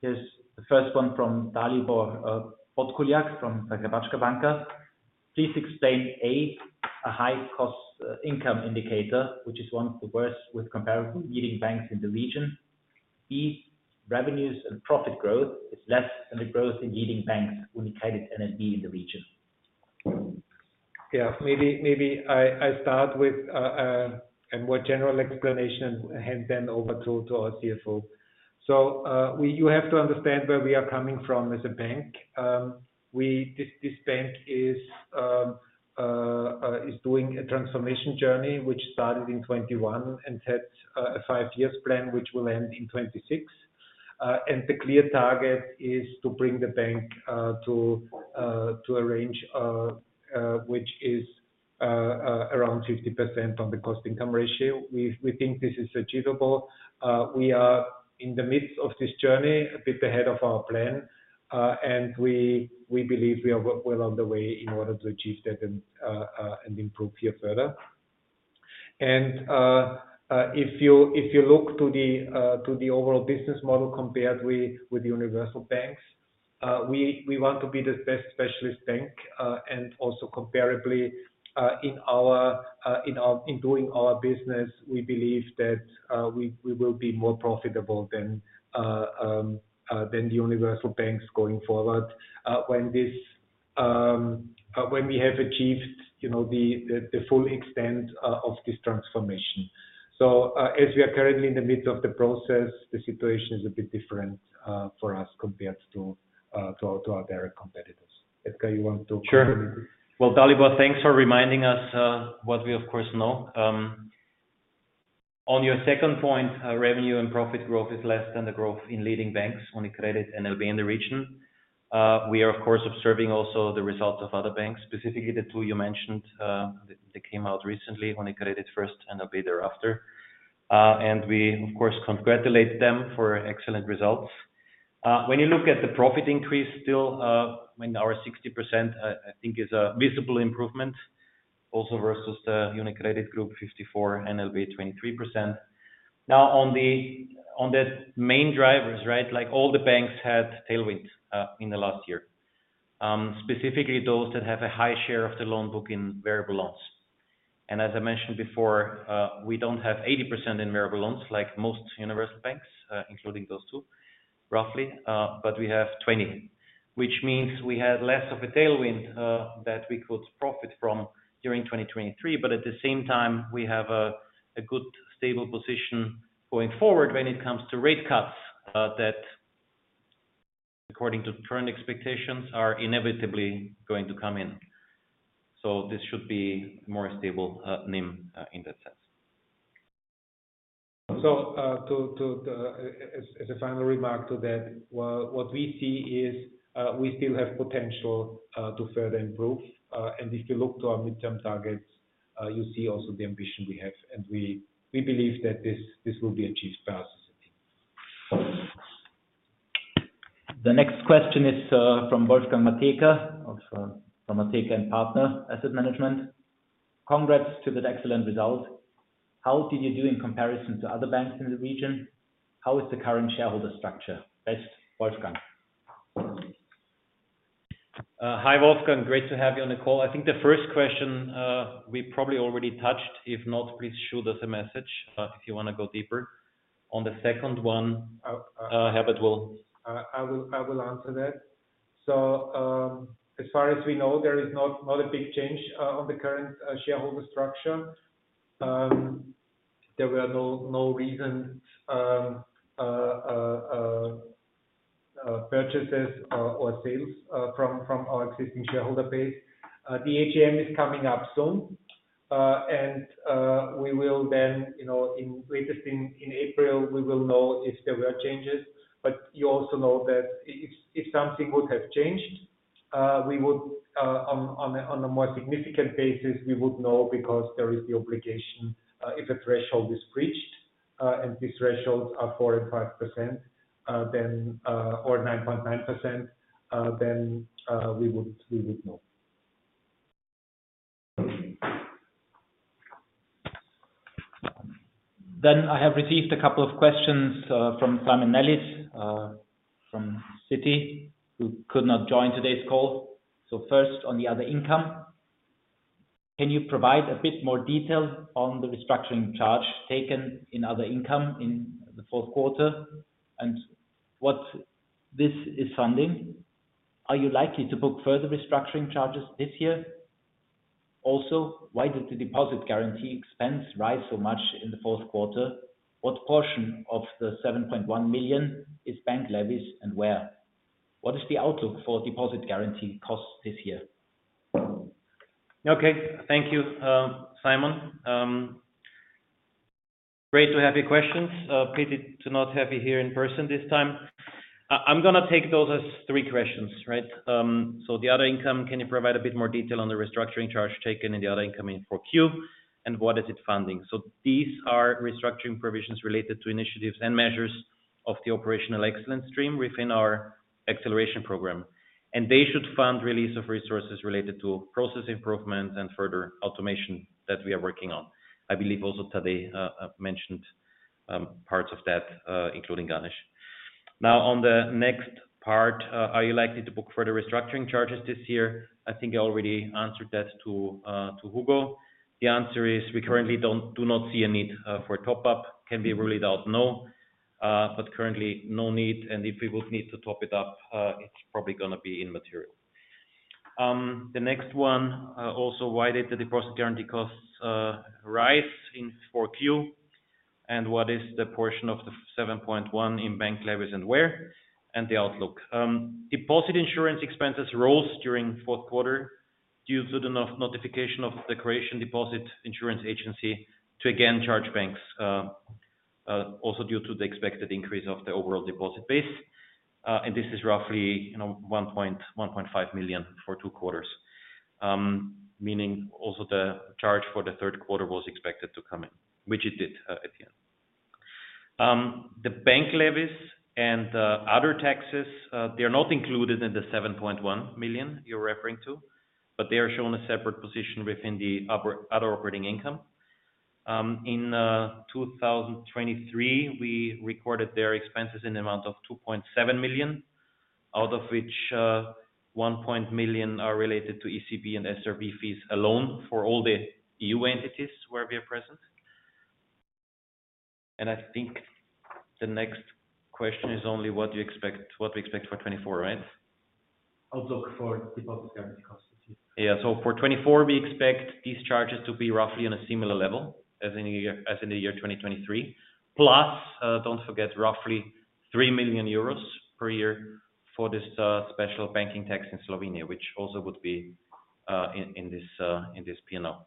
Here's the first one from Dalibor Podkuliak from Zagrebačka banka. Please explain, A, a high-cost income indicator, which is one of the worst with comparable leading banks in the region. B, revenues and profit growth is less than the growth in leading banks UniCredit and NLB in the region. Yeah. Maybe I start with a more general explanation and hand it over to our CFO. So you have to understand where we are coming from as a bank. This bank is doing a transformation journey, which started in 2021 and had a five-year plan, which will end in 2026. The clear target is to bring the bank to a range which is around 50% on the cost-income ratio. We think this is achievable. We are in the midst of this journey, a bit ahead of our plan. We believe we are well on the way in order to achieve that and improve here further. If you look to the overall business model compared with universal banks, we want to be the best specialist bank. Also comparably, in doing our business, we believe that we will be more profitable than the universal banks going forward when we have achieved the full extent of this transformation. As we are currently in the midst of the process, the situation is a bit different for us compared to our direct competitors. Edgar, you want to? Sure. Well, Dalibor, thanks for reminding us what we, of course, know. On your second point, revenue and profit growth is less than the growth in leading banks, UniCredit and NB in the region. We are, of course, observing also the results of other banks, specifically the two you mentioned that came out recently, UniCredit first and NB thereafter. And we, of course, congratulate them for excellent results. When you look at the profit increase still, I mean, our 60%, I think, is a visible improvement also versus the UniCredit Group 54% and NB 23%. Now, on the main drivers, right, all the banks had tailwind in the last year, specifically those that have a high share of the loan book in variable loans. And as I mentioned before, we don't have 80% in variable loans like most universal banks, including those two, roughly. But we have 20, which means we had less of a tailwind that we could profit from during 2023. But at the same time, we have a good, stable position going forward when it comes to rate cuts that, according to current expectations, are inevitably going to come in. So this should be a more stable NIM in that sense. As a final remark to that, what we see is we still have potential to further improve. If you look to our midterm targets, you see also the ambition we have. We believe that this will be achieved by us as a team. The next question is from Wolfgang Mateka from Mateka & Partner Asset Management. Congrats to that excellent result. How did you do in comparison to other banks in the region? How is the current shareholder structure? Best, Wolfgang. Hi, Wolfgang. Great to have you on the call. I think the first question, we probably already touched. If not, please shoot us a message if you want to go deeper. On the second one, Herbert will. I will answer that. So as far as we know, there is not a big change on the current shareholder structure. There were no recent purchases or sales from our existing shareholder base. The AGM is coming up soon. We will then, in April, we will know if there were changes. But you also know that if something would have changed, on a more significant basis, we would know because there is the obligation if a threshold is breached, and these thresholds are 4% and 5% or 9.9%, then we would know. I have received a couple of questions from Simon Nellis from Citi, who could not join today's call. So first, on the other income, can you provide a bit more detail on the restructuring charge taken in other income in the fourth quarter and what this is funding? Are you likely to book further restructuring charges this year? Also, why did the deposit guarantee expense rise so much in the fourth quarter? What portion of the 7.1 million is bank levies and where? What is the outlook for deposit guarantee costs this year? Okay. Thank you, Simon. Great to have your questions. Pity to not have you here in person this time. I'm going to take those as three questions, right? So the other income, can you provide a bit more detail on the restructuring charge taken in the other income in 4Q? And what is it funding? So these are restructuring provisions related to initiatives and measures of the operational excellence stream within our acceleration program. And they should fund release of resources related to process improvements and further automation that we are working on. I believe also Tadej mentioned parts of that, including Ganesh. Now, on the next part, are you likely to book further restructuring charges this year? I think I already answered that to Hugo. The answer is we currently do not see a need for a top-up. Can we rule it out? No. But currently, no need. If we would need to top it up, it's probably going to be immaterial. The next one also, why did the deposit guarantee costs rise in 4Q? What is the portion of the 7.1 in bank levies and where? The outlook. Deposit insurance expenses rose during fourth quarter due to the notification of the Croatian Deposit Insurance Agency to again charge banks, also due to the expected increase of the overall deposit base. This is roughly 1.5 million for two quarters, meaning also the charge for the third quarter was expected to come in, which it did at the end. The bank levies and other taxes, they are not included in the 7.1 million you're referring to. They are shown as separate positions within the other operating income. In 2023, we recorded their expenses in the amount of 2.7 million, out of which 1.0 million are related to ECB and SRB fees alone for all the EU entities where we are present. I think the next question is only what we expect for 2024, right? Outlook for deposit guarantee costs, please? Yeah. So for 2024, we expect these charges to be roughly on a similar level as in the year 2023, plus don't forget roughly 3 million euros per year for this special banking tax in Slovenia, which also would be in this P&L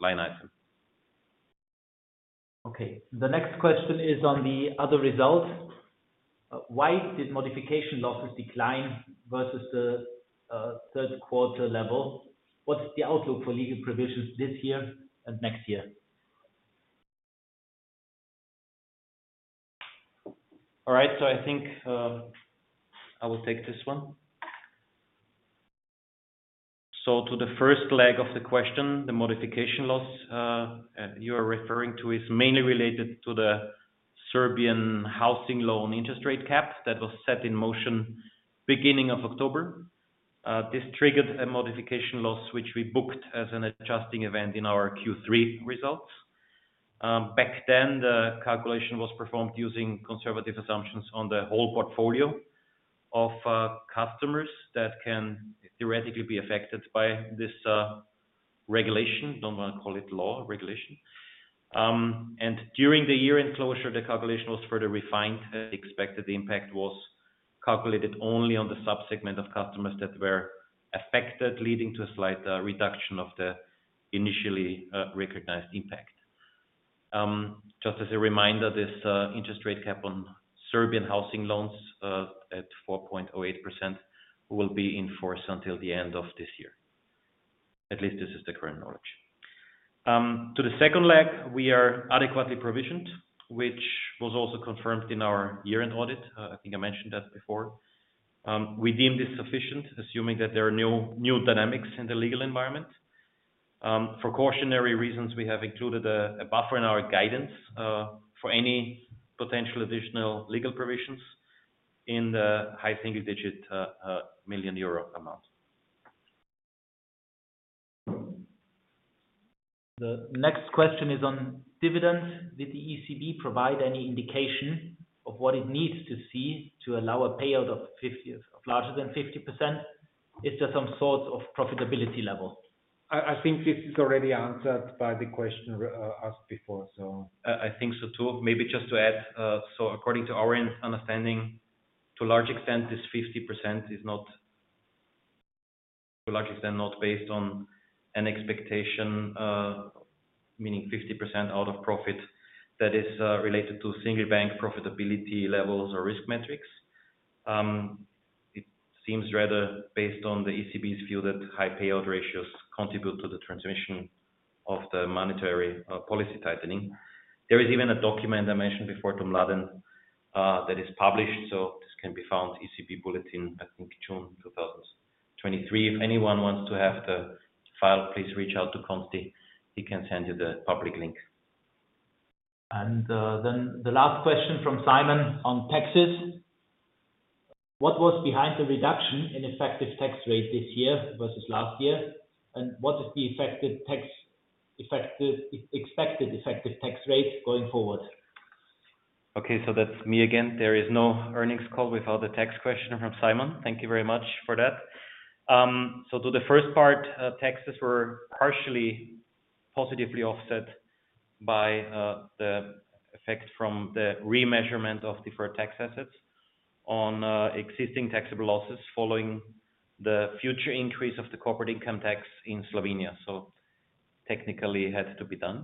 line item. Okay. The next question is on the other results. Why did modification losses decline versus the third-quarter level? What's the outlook for legal provisions this year and next year? All right. I think I will take this one. To the first leg of the question, the modification loss you are referring to is mainly related to the Serbian housing loan interest rate cap that was set in motion beginning of October. This triggered a modification loss, which we booked as an adjusting event in our Q3 results. Back then, the calculation was performed using conservative assumptions on the whole portfolio of customers that can theoretically be affected by this regulation. Don't want to call it law, regulation. During the year-end closure, the calculation was further refined. The expected impact was calculated only on the subsegment of customers that were affected, leading to a slight reduction of the initially recognized impact. Just as a reminder, this interest rate cap on Serbian housing loans at 4.08% will be in force until the end of this year. At least this is the current knowledge. To the second leg, we are adequately provisioned, which was also confirmed in our year-end audit. I think I mentioned that before. We deem this sufficient, assuming that there are new dynamics in the legal environment. For cautionary reasons, we have included a buffer in our guidance for any potential additional legal provisions in the high single-digit million euro amount. The next question is on dividends. Did the ECB provide any indication of what it needs to see to allow a payout of larger than 50%? Is there some sort of profitability level? I think this is already answered by the question asked before, so. I think so too. Maybe just to add, so according to our understanding, to a large extent, this 50% is to a large extent not based on an expectation, meaning 50% out of profit that is related to single bank profitability levels or risk metrics. It seems rather based on the ECB's view that high payout ratios contribute to the transmission of the monetary policy tightening. There is even a document I mentioned before, zum Laden, that is published. So this can be found, ECB Bulletin, I think, June 2023. If anyone wants to have the file, please reach out to Constantin. He can send you the public link. And then the last question from Simon on taxes. What was behind the reduction in effective tax rate this year versus last year? And what is the expected effective tax rate going forward? Okay. So that's me again. There is no earnings call without a tax question from Simon. Thank you very much for that. So to the first part, taxes were partially positively offset by the effect from the remeasurement of deferred tax assets on existing taxable losses following the future increase of the corporate income tax in Slovenia. So technically, it had to be done.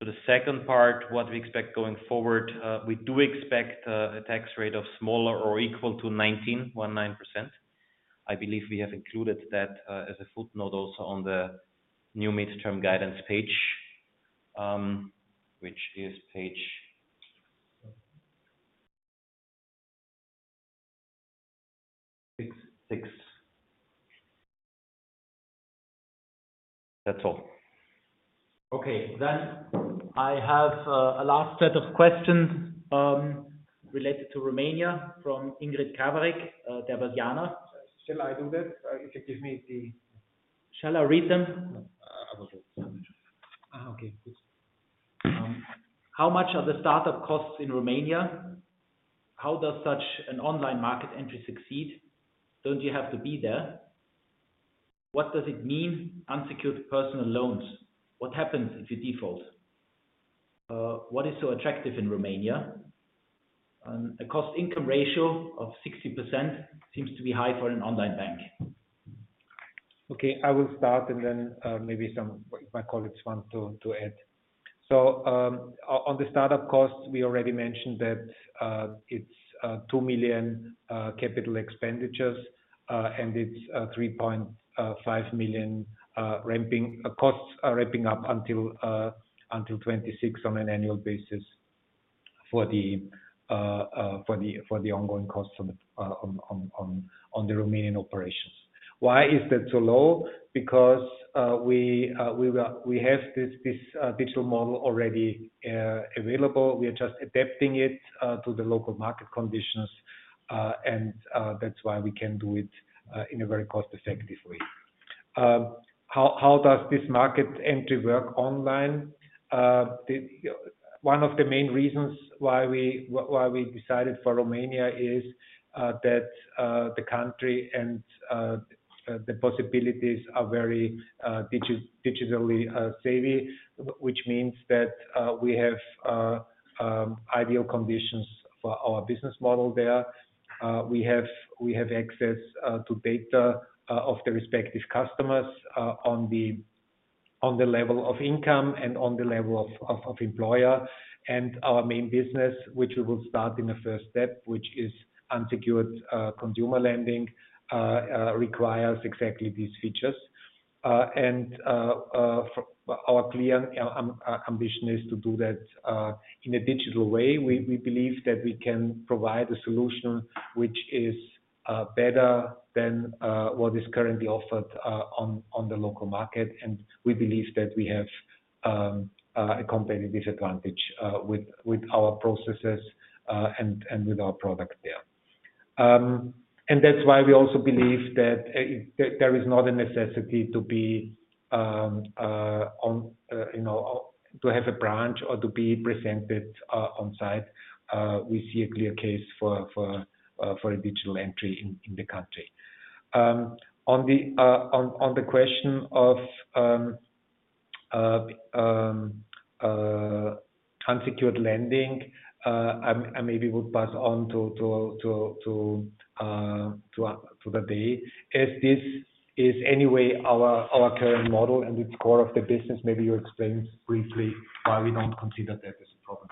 To the second part, what we expect going forward, we do expect a tax rate of smaller or equal to 19%. I believe we have included that as a footnote also on the new midterm guidance page, which is page six. That's all. Okay. Then I have a last set of questions related to Romania from Ingrid Krawarik of Der Börsianer. Shall I do that? If you give me the. Shall I read them? I will read them. Okay. Good. How much are the startup costs in Romania? How does such an online market entry succeed? Don't you have to be there? What does it mean, unsecured personal loans? What happens if you default? What is so attractive in Romania? A cost-income ratio of 60% seems to be high for an online bank. Okay. I will start and then maybe some colleagues want to add. On the startup costs, we already mentioned that it's 2 million capital expenditures. It's 3.5 million costs ramping up until 2026 on an annual basis for the ongoing costs on the Romanian operations. Why is that so low? Because we have this digital model already available. We are just adapting it to the local market conditions. That's why we can do it in a very cost-effective way. How does this market entry work online? One of the main reasons why we decided for Romania is that the country and the possibilities are very digitally savvy, which means that we have ideal conditions for our business model there. We have access to data of the respective customers on the level of income and on the level of employer. Our main business, which we will start in a first step, which is unsecured consumer lending, requires exactly these features. Our clear ambition is to do that in a digital way. We believe that we can provide a solution which is better than what is currently offered on the local market. We believe that we have a competitive advantage with our processes and with our product there. That's why we also believe that there is not a necessity to have a branch or to be presented on-site. We see a clear case for a digital entry in the country. On the question of unsecured lending, I maybe would pass on to Tadej. Is this anyway our current model and its core of the business? Maybe you explain briefly why we don't consider that as a problem.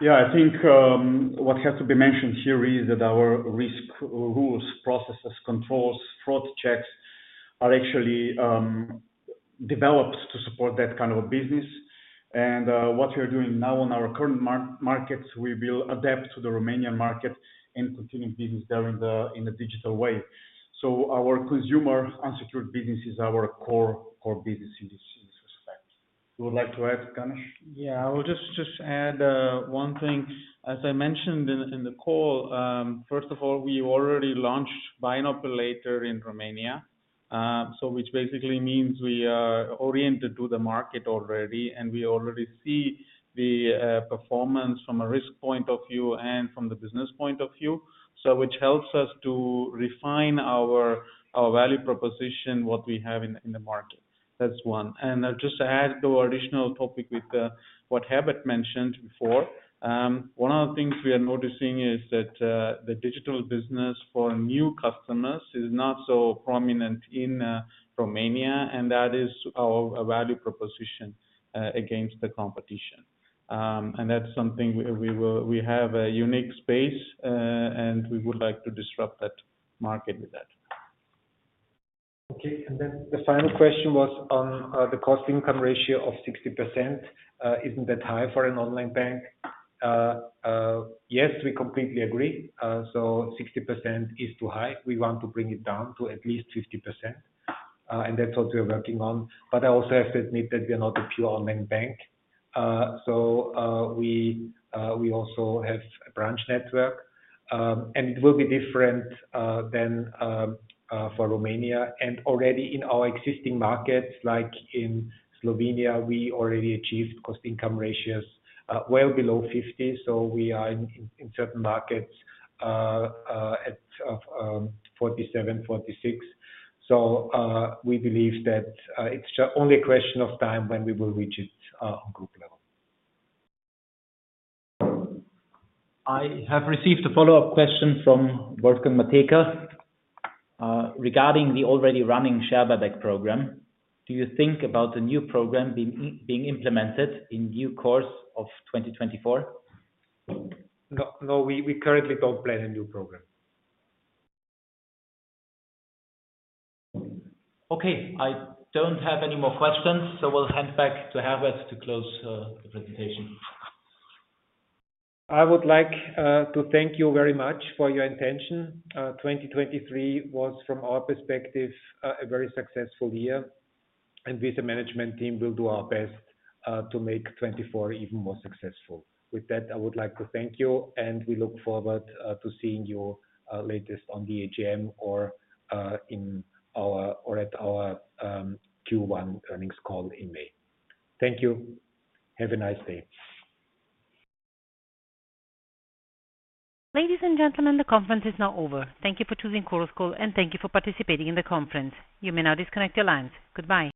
Yeah. I think what has to be mentioned here is that our risk rules, processes, controls, fraud checks are actually developed to support that kind of a business. What we are doing now on our current markets, we will adapt to the Romanian market and continue business there in a digital way. Our consumer unsecured business is our core business in this respect. You would like to add, Ganesh? Yeah. I will just add one thing. As I mentioned in the call, first of all, we already launched Buy Now Pay Later in Romania, which basically means we are oriented to the market already. And we already see the performance from a risk point of view and from the business point of view, which helps us to refine our value proposition, what we have in the market. That's one. And I'll just add to our additional topic with what Herbert mentioned before. One of the things we are noticing is that the digital business for new customers is not so prominent in Romania. And that is our value proposition against the competition. And that's something we have a unique space. And we would like to disrupt that market with that. Okay. Then the final question was on the cost-income ratio of 60%. Isn't that high for an online bank? Yes, we completely agree. So 60% is too high. We want to bring it down to at least 50%. And that's what we are working on. But I also have to admit that we are not a pure online bank. So we also have a branch network. And it will be different than for Romania. Already in our existing markets, like in Slovenia, we already achieved cost-income ratios well below 50%. So we are in certain markets at 47, 46. So we believe that it's only a question of time when we will reach it on group level. I have received a follow-up question from Wolfgang Mateka regarding the already running share buyback program. Do you think about the new program being implemented in due course of 2024? No. We currently don't plan a new program. Okay. I don't have any more questions. We'll hand back to Herbert to close the presentation. I would like to thank you very much for your attention. 2023 was, from our perspective, a very successful year. We, as a management team, will do our best to make 2024 even more successful. With that, I would like to thank you. We look forward to seeing you latest on the AGM or at our Q1 earnings call in May. Thank you. Have a nice day. Ladies and gentlemen, the conference is now over. Thank you for choosing Chorus Call. Thank you for participating in the conference. You may now disconnect your lines. Goodbye.